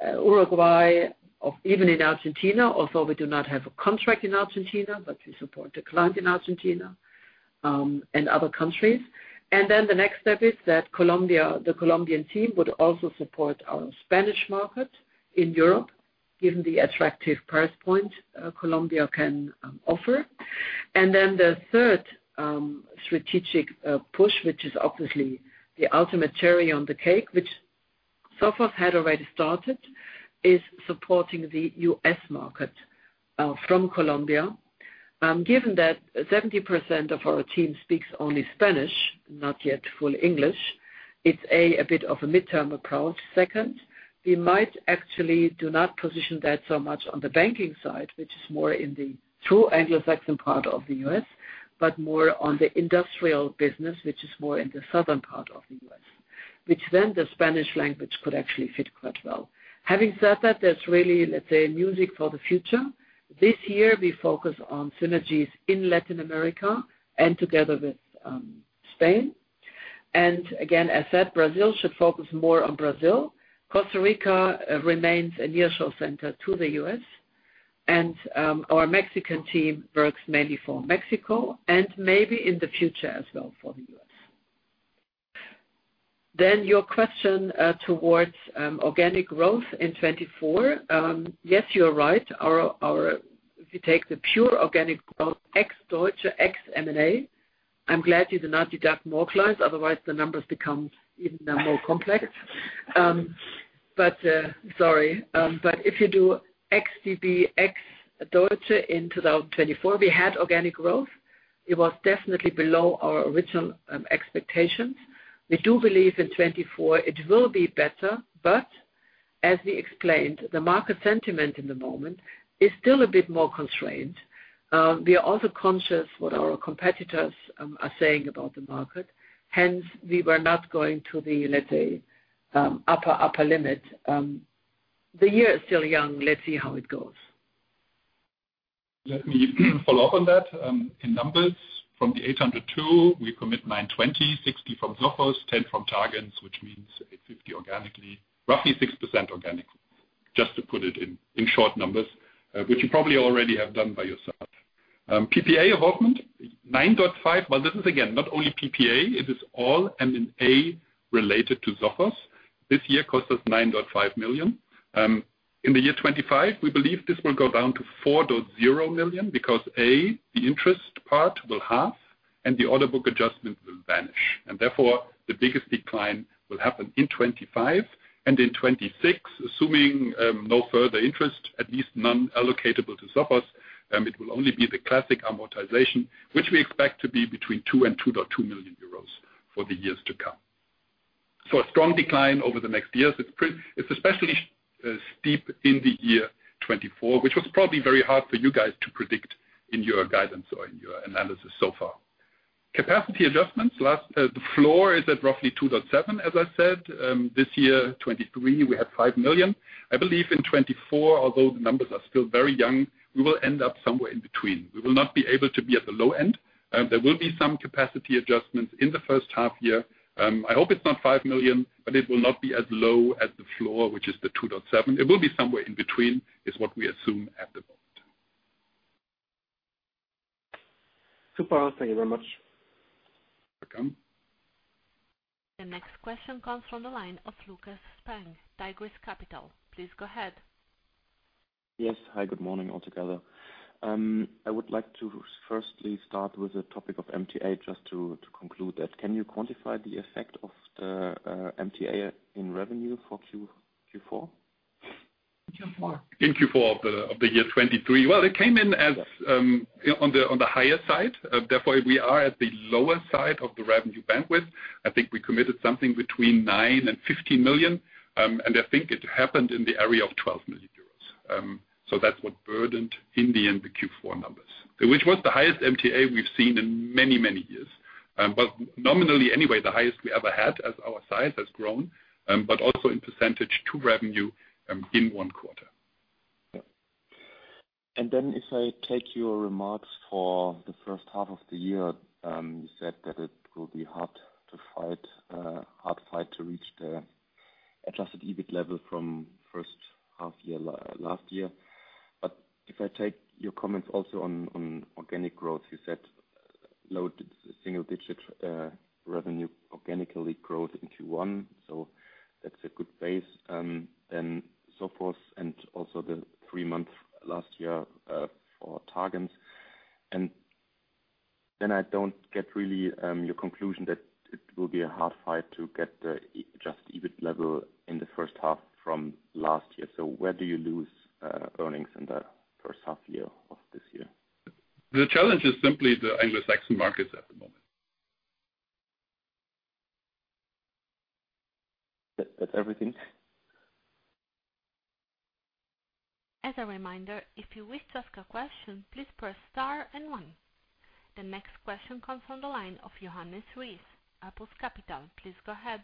Uruguay, or even in Argentina. Although we do not have a contract in Argentina, but we support the client in Argentina, and other countries. And then the next step is that the Colombian team would also support our Spanish market in Europe, given the attractive price point Colombia can offer. And then the third strategic push, which is obviously the ultimate cherry on the cake, which Sophos had already started, is supporting the US market from Colombia. Given that 70% of our team speaks only Spanish, not yet full English, it's a bit of a midterm approach. Second, we might actually do not position that so much on the banking side, which is more in the true Anglo-Saxon part of the US, but more on the industrial business, which is more in the southern part of the US, which then the Spanish language could actually fit quite well. Having said that, there's really, let's say, music for the future. This year, we focus on synergies in Latin America and together with Spain. And again, as said, Brazil should focus more on Brazil. Costa Rica remains a nearshore center to the US. And our Mexican team works mainly for Mexico and maybe in the future as well for the US. Then your question towards organic growth in 2024. Yes, you're right. Or if you take the pure organic growth ex-Deutsche, ex-M&A, I'm glad you do not deduct more clients. Otherwise, the numbers become even more complex. But, sorry. But if you do ex-DB, ex-Deutsche in 2024, we had organic growth. It was definitely below our original expectations. We do believe in 2024, it will be better. But as we explained, the market sentiment in the moment is still a bit more constrained. We are also conscious what our competitors are saying about the market. Hence, we were not going to the, let's say, upper limit. The year is still young. Let's see how it goes. Let me follow up on that. In numbers, from the 802, we commit 920, 60 from Sophos, 10 from targens, which means 850 organically, roughly 6% organic, just to put it in short numbers, which you probably already have done by yourself. PPA development, 9.5 million. Well, this is, again, not only PPA. It is all M&A related to Sophos. This year cost us 9.5 million. In the year 2025, we believe this will go down to 4.0 million because, A, the interest part will halve, and the order book adjustment will vanish. And therefore, the biggest decline will happen in 2025. And in 2026, assuming no further interest, at least none allocatable to Sophos, it will only be the classic amortization, which we expect to be between 2 million euros and 2.2 million euros for the years to come. So a strong decline over the next years. It's especially steep in the year 2024, which was probably very hard for you guys to predict in your guidance or in your analysis so far. Capacity adjustments. Last, the floor is at roughly 2.7 million, as I said. This year, 2023, we had 5 million. I believe in 2024, although the numbers are still very young, we will end up somewhere in between. We will not be able to be at the low end. There will be some capacity adjustments in the first half year. I hope it's not 5 million, but it will not be as low as the floor, which is the 2.7 million. It will be somewhere in between is what we assume at the moment. Super. Thank you very much. You're welcome. The next question comes from the line of Lukas Spang, Tigris Capital. Please go ahead. Yes. Hi. Good morning altogether. I would like to firstly start with the topic of MTA just to, to conclude that. Can you quantify the effect of the, MTA in revenue for Q4? Q4. In Q4 of the of the year 2023? Well, it came in as, on the on the higher side. Therefore, we are at the lower side of the revenue bandwidth. I think we committed something between 9 million and 15 million. And I think it happened in the area of 12 million euros. So that's what burdened in the end the Q4 numbers, which was the highest MTA we've seen in many, many years. But nominally anyway, the highest we ever had as our size has grown, but also in percentage to revenue, in one quarter. Yeah. And then if I take your remarks for the first half of the year, you said that it will be hard to fight, hard fight to reach the adjusted EBIT level from first half year last year. But if I take your comments also on, on organic growth, you said, low single-digit, revenue organically growth in Q1. So that's a good base. then Sophos and also the three-month last year, for targens. And then I don't get really, your conclusion that it will be a hard fight to get the adjusted EBIT level in the first half from last year. So where do you lose, earnings in the first half year of this year? The challenge is simply the Anglo-Saxon markets at the moment. That's everything. As a reminder, if you wish to ask a question, please press star and one. The next question comes from the line of Johannes Ries, Apus Capital. Please go ahead.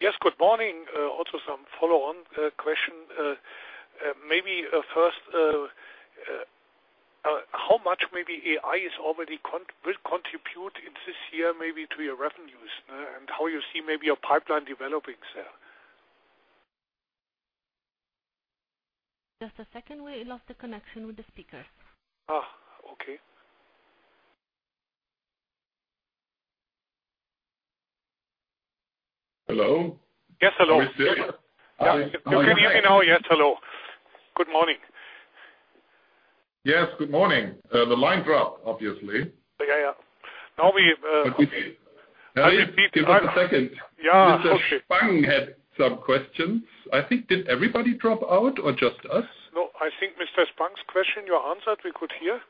Yes. Good morning. Also some follow-on, question. Maybe, first, how much maybe AI is already con will contribute in this year maybe to your revenues, and how you see maybe your pipeline developing there? Just a second. We lost the connection with the speaker. Okay. Hello? Yes. Hello. Mr. Yeah. You can hear me now. Yes. Hello. Good morning. Yes. Good morning. The line dropped, obviously. Yeah. Yeah. Now we, but we can. I can speak to you? Give us a second. Yeah. Okay. Mr. Spang had some questions. I think did everybody drop out or just us? No. I think Mr. Spang's question, your answer, we could hear.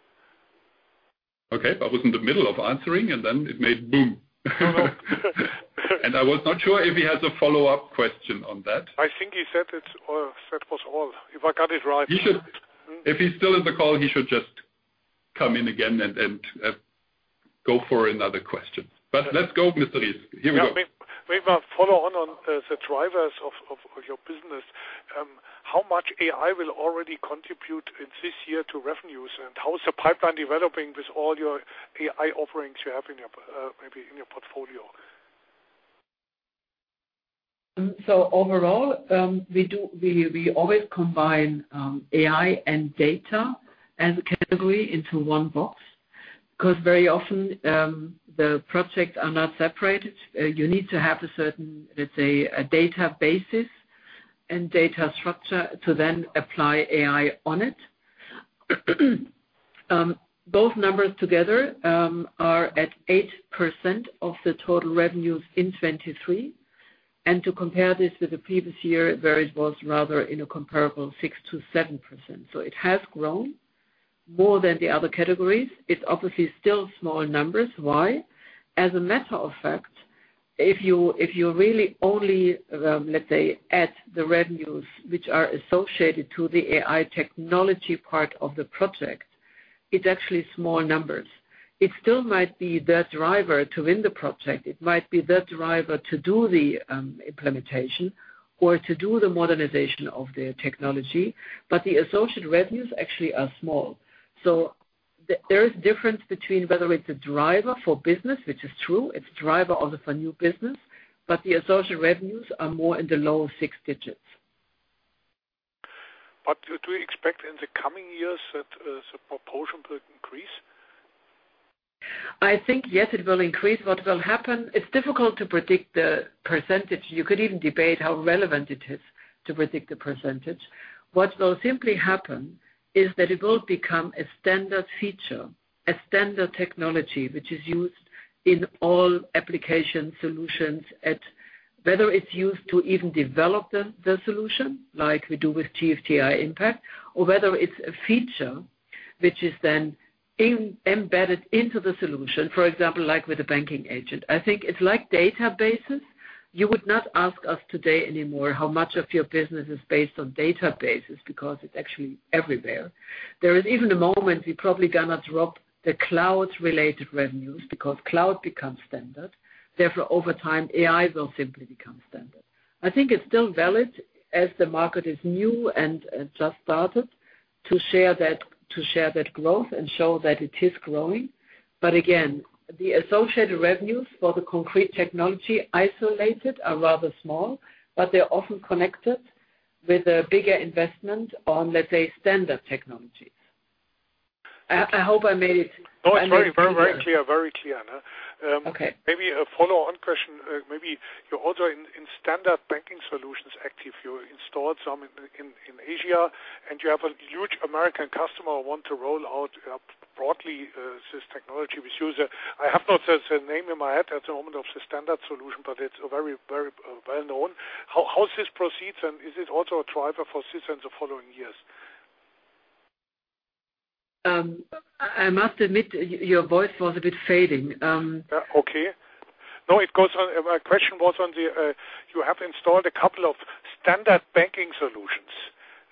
Okay. I was in the middle of answering, and then it made boom. And I was not sure if he has a follow-up question on that. I think he said it's all, that was all. If I got it right, he should if he's still in the call, he should just come in again and go for another question. But let's go, Mr. Ries. Here we go. Yeah. Maybe I'll follow on the drivers of your business. How much AI will already contribute in this year to revenues, and how's the pipeline developing with all your AI offerings you have in your p maybe in your portfolio? So overall, we do we, we always combine AI and data as a category into one box because very often, the projects are not separated. You need to have a certain, let's say, a database and data structure to then apply AI on it. Both numbers together are at 8% of the total revenues in 2023. And to compare this with the previous year, where it was rather in a comparable 6%-7%. So it has grown more than the other categories. It's obviously still small numbers. Why? As a matter of fact, if you really only, let's say, add the revenues which are associated to the AI technology part of the project, it's actually small numbers. It still might be the driver to win the project. It might be the driver to do the implementation or to do the modernization of the technology. But the associate revenues actually are small. So there is difference between whether it's a driver for business, which is true. It's driver also for new business. But the associate revenues are more in the low six digits. But do you expect in the coming years that the proportion will increase? I think, yes, it will increase. What will happen it's difficult to predict the percentage. You could even debate how relevant it is to predict the percentage. What will simply happen is that it will become a standard feature, a standard technology, which is used in all application solutions or whether it's used to even develop the solution, like we do with GFT AI Impact, or whether it's a feature which is then embedded into the solution, for example, like with a Banking Agent. I think it's like databases. You would not ask us today anymore how much of your business is based on databases because it's actually everywhere. There is even a moment we probably gonna drop the cloud-related revenues because cloud becomes standard. Therefore, over time, AI will simply become standard. I think it's still valid as the market is new and just started to share that growth and show that it is growing. But again, the associate revenues for the concrete technology isolated are rather small, but they're often connected with a bigger investment on, let's say, standard technologies. I, I hope I made it clear. Oh. It's very, very right here. Very clear answer. Maybe a follow-on question. Maybe you're also in, in standard banking solutions active. You installed some in, in, in Asia, and you have a huge American customer who want to roll out, broadly, this technology with user. I have not the, the name in my head at the moment of the standard solution, but it's very, very, well known. How, how this proceeds, and is it also a driver for this and the following years? I must admit, y-your voice was a bit fading. Yeah. Okay. No, it goes on. My question was on the, you have installed a couple of standard banking solutions.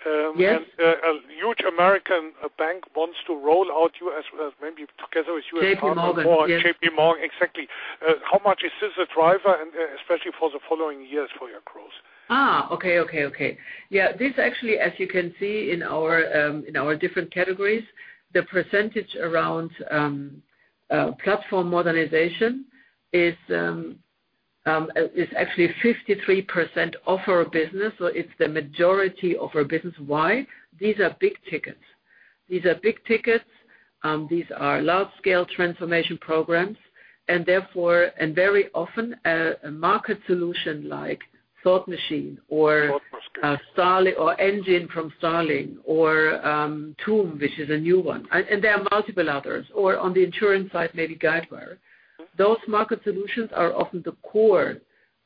And a huge American bank wants to roll out US, maybe together with US partners. J.P. Morgan. Or J.P. Morgan. Exactly. How much is this a driver, and especially for the following years for your growth? Okay. Okay. Okay. Yeah. This actually, as you can see in our different categories, the percentage around platform modernization is actually 53% of our business. So it's the majority of our business. Why? These are big tickets. These are big tickets. These are large-scale transformation programs. And therefore, very often a market solution like Thought Machine or Starling or Engine from Starling or Tuum, which is a new one. And there are multiple others. Or on the insurance side, maybe Guidewire. Those market solutions are often the core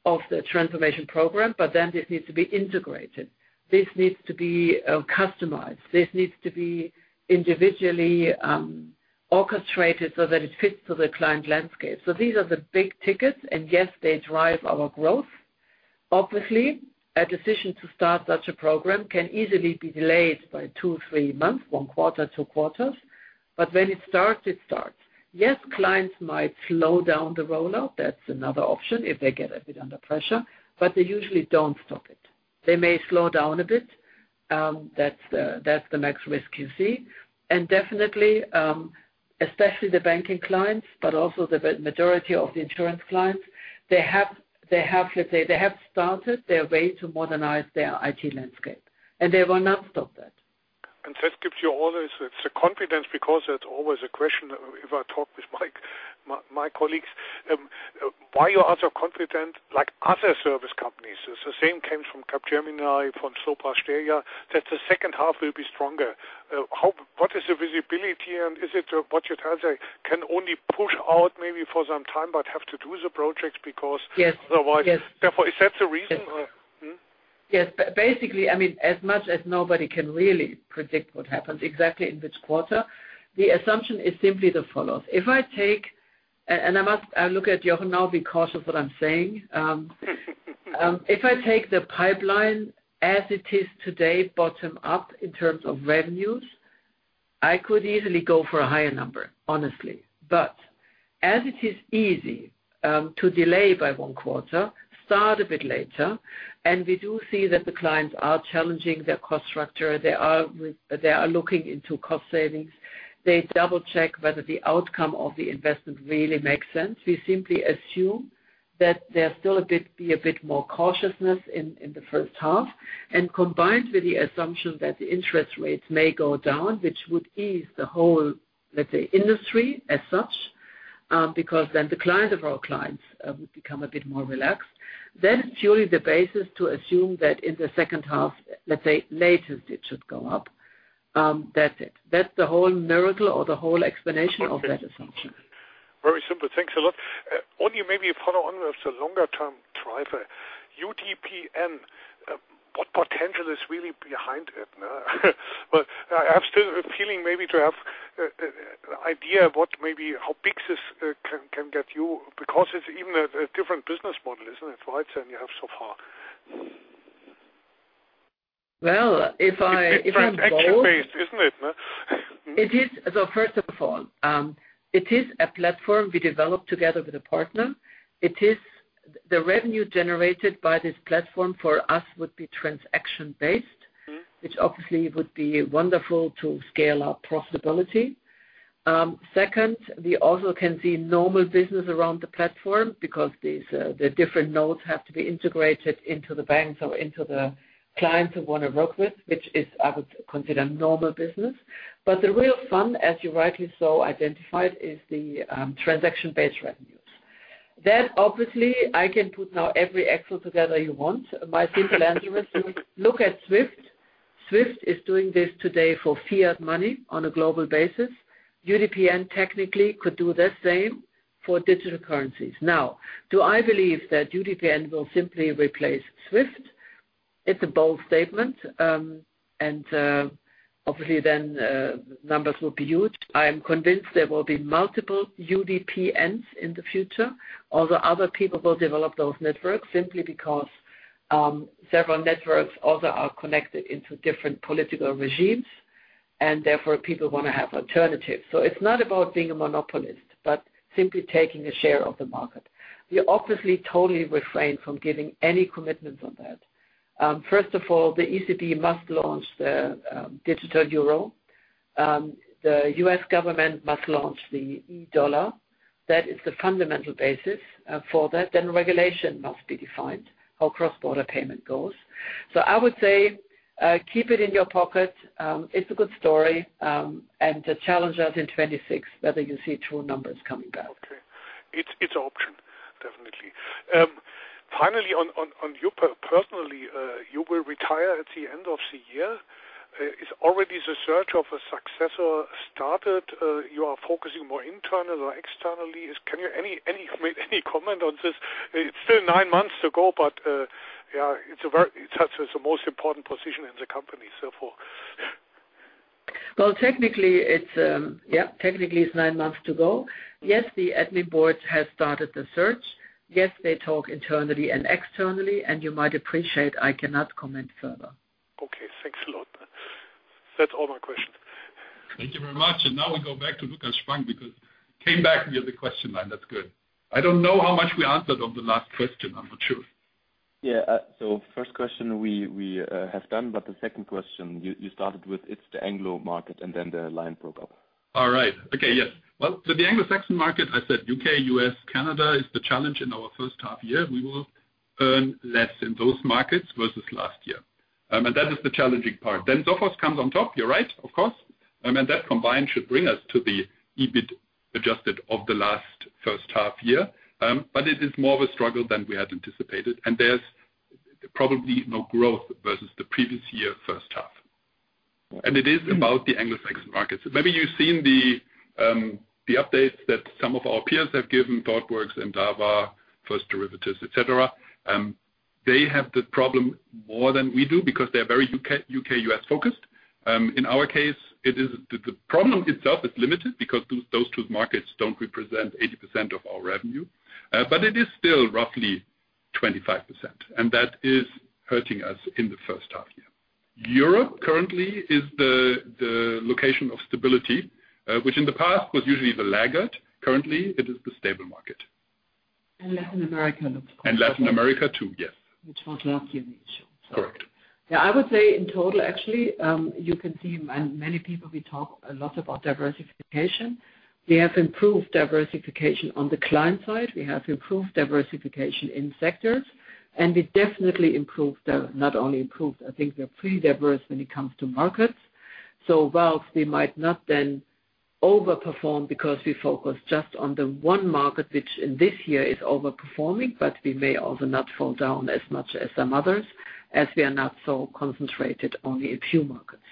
of the transformation program, but then this needs to be integrated. This needs to be customized. This needs to be individually orchestrated so that it fits to the client landscape. So these are the big tickets. And yes, they drive our growth, obviously. A decision to start such a program can easily be delayed by 2, 3 months, 1 quarter, 2 quarters. But when it starts, it starts. Yes, clients might slow down the rollout. That's another option if they get a bit under pressure. But they usually don't stop it. They may slow down a bit. That's the that's the max risk you see. And definitely, especially the banking clients but also the majority of the insurance clients, they have they have, let's say, they have started their way to modernize their IT landscape. And they will not stop that. That gives you always it's a confidence because it's always a question if I talk with my colleagues why you are so confident, like other service companies. The same came from Capgemini, from Sopra Steria. That the second half will be stronger. How? What is the visibility, and is it what you'd say can only push out maybe for some time but have to do the projects because otherwise? Yes. Yes. Therefore, is that the reason, or? Yes. Basically, I mean, as much as nobody can really predict what happens exactly in which quarter, the assumption is simply the follows. If I take and I must look at Jochen now be cautious what I'm saying. If I take the pipeline as it is today bottom up in terms of revenues, I could easily go for a higher number, honestly. But as it is easy to delay by one quarter, start a bit later. And we do see that the clients are challenging their cost structure. They are looking into cost savings. They double-check whether the outcome of the investment really makes sense. We simply assume that there's still a bit more cautiousness in the first half. And combined with the assumption that the interest rates may go down, which would ease the whole, let's say, industry as such, because then the clients of our clients would become a bit more relaxed, that is purely the basis to assume that in the second half, let's say, latest, it should go up. That's it. That's the whole miracle or the whole explanation of that assumption. Very simple. Thanks a lot. Only maybe a follow-on with the longer-term driver. UDPN, what potential is really behind it, Na? But I still have a feeling maybe to have an idea of what maybe how big this can get because it's even a different business model, isn't it? Right, Sanya, so far. Well, if I'm bold. But it's action-based, isn't it, Na? It is. So first of all, it is a platform we developed together with a partner. It is the revenue generated by this platform for us would be transaction-based, which obviously would be wonderful to scale up profitability. Second, we also can see normal business around the platform because these, the different nodes have to be integrated into the banks or into the clients we wanna work with, which is, I would consider, normal business. But the real fun, as you rightly so identified, is the transaction-based revenues. That, obviously, I can put now every angle together you want. My simple answer is you look at SWIFT. SWIFT is doing this today for fiat money on a global basis. UDPN technically could do the same for digital currencies. Now, do I believe that UDPN will simply replace SWIFT? It's a bold statement. Obviously, then, numbers will be huge. I am convinced there will be multiple UDPNs in the future. Also, other people will develop those networks simply because several networks also are connected into different political regimes. And therefore, people wanna have alternatives. So it's not about being a monopolist but simply taking a share of the market. We obviously totally refrain from giving any commitments on that. First of all, the ECB must launch the digital euro. The US government must launch the e-dollar. That is the fundamental basis for that. Then, regulation must be defined how cross-border payment goes. So, I would say, keep it in your pocket. It's a good story. And the challenge is in 2026 whether you see true numbers coming back. Okay. It's an option, definitely. Finally, on your personally, you will retire at the end of the year. Is the search of a successor already started? You are focusing more internally or externally? Can you any comment on this? It's still nine months to go, but, yeah, it's a very important position in the company, therefore. Well, technically, it's nine months to go. Yes, the Supervisory Board has started the search. Yes, they talk internally and externally. And you might appreciate I cannot comment further. Okay. Thanks a lot. That's all my questions. Thank you very much. And now we go back to Lucas Spang because he came back via the question line. That's good. I don't know how much we answered on the last question. I'm not sure. Yeah. So first question we have done. But the second question you started with, "It's the Anglo market," and then the line broke up. All right. Okay. Yes. Well, so the Anglo-Saxon market, I said, UK, US, Canada is the challenge in our first half year. We will earn less in those markets versus last year. And that is the challenging part. Then Sophos comes on top. You're right, of course. And that combined should bring us to the EBIT adjusted of the last first half year. But it is more of a struggle than we had anticipated. And there's probably no growth versus the previous year first half. And it is about the Anglo-Saxon markets. Maybe you've seen the updates that some of our peers have given, Thoughtworks and Endava, First Derivatives, etc. They have the problem more than we do because they're very U.K., U.S.-focused. In our case, it is the problem itself is limited because those two markets don't represent 80% of our revenue. But it is still roughly 25%. And that is hurting us in the first half year. Europe, currently, is the location of stability, which in the past was usually the laggard. Currently, it is the stable market. And Latin America looks quite strong. And Latin America too, yes. Which was last year the issue, so. Correct. Yeah. I would say, in total, actually, you can see many people, we talk a lot about diversification. We have improved diversification on the client side. We have improved diversification in sectors. And we definitely improved, not only improved. I think we're pretty diverse when it comes to markets. So while we might not then overperform because we focus just on the one market, which in this year is overperforming, but we may also not fall down as much as some others as we are not so concentrated only in a few markets.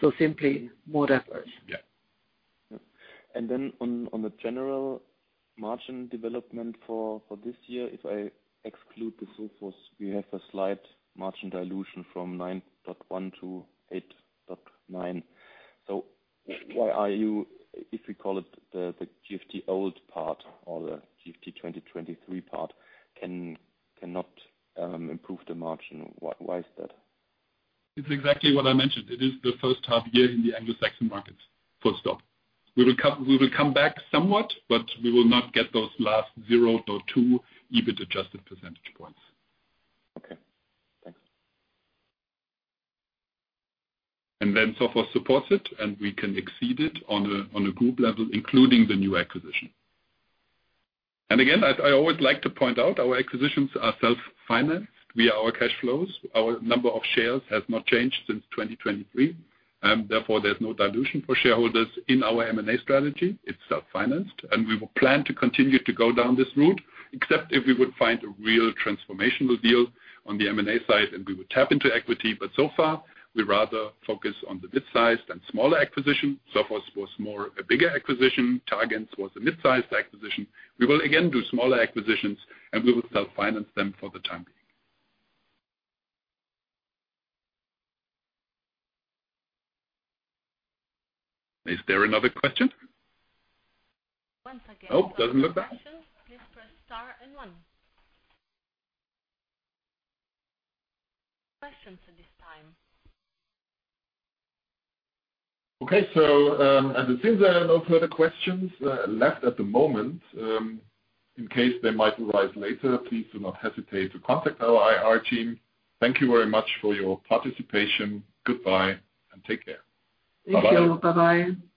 So simply more diverse. Yeah. And then on the general margin development for this year, if I exclude the Sophos, we have a slight margin dilution from 9.1% to 8.9%. So why, if we call it the GFT old part or the GFT 2023 part, cannot improve the margin? Why is that? It's exactly what I mentioned. It is the first half year in the Anglo-Saxon markets, full stop. We will come back somewhat, but we will not get those last 0.2 EBIT adjusted percentage points. Okay. Thanks. And then Sophos supports it, and we can exceed it on a group level, including the new acquisition. And again, I, I always like to point out, our acquisitions are self-financed. We are our cash flows. Our number of shares has not changed since 2023. Therefore, there's no dilution for shareholders in our M&A strategy. It's self-financed. And we will plan to continue to go down this route except if we would find a real transformational deal on the M&A side, and we would tap into equity. But so far, we rather focus on the mid-sized and smaller acquisition. Sophos was more a bigger acquisition. targens was a mid-sized acquisition. We will again do smaller acquisitions, and we will self-finance them for the time being. Is there another question? Once again. Oh, doesn't look like. Questions? Please press star and one. Questions at this time. Okay. It seems there are no further questions left at the moment. In case they might arise later, please do not hesitate to contact our IR team. Thank you very much for your participation. Goodbye, and take care. Bye-bye. Thank you. Bye-bye.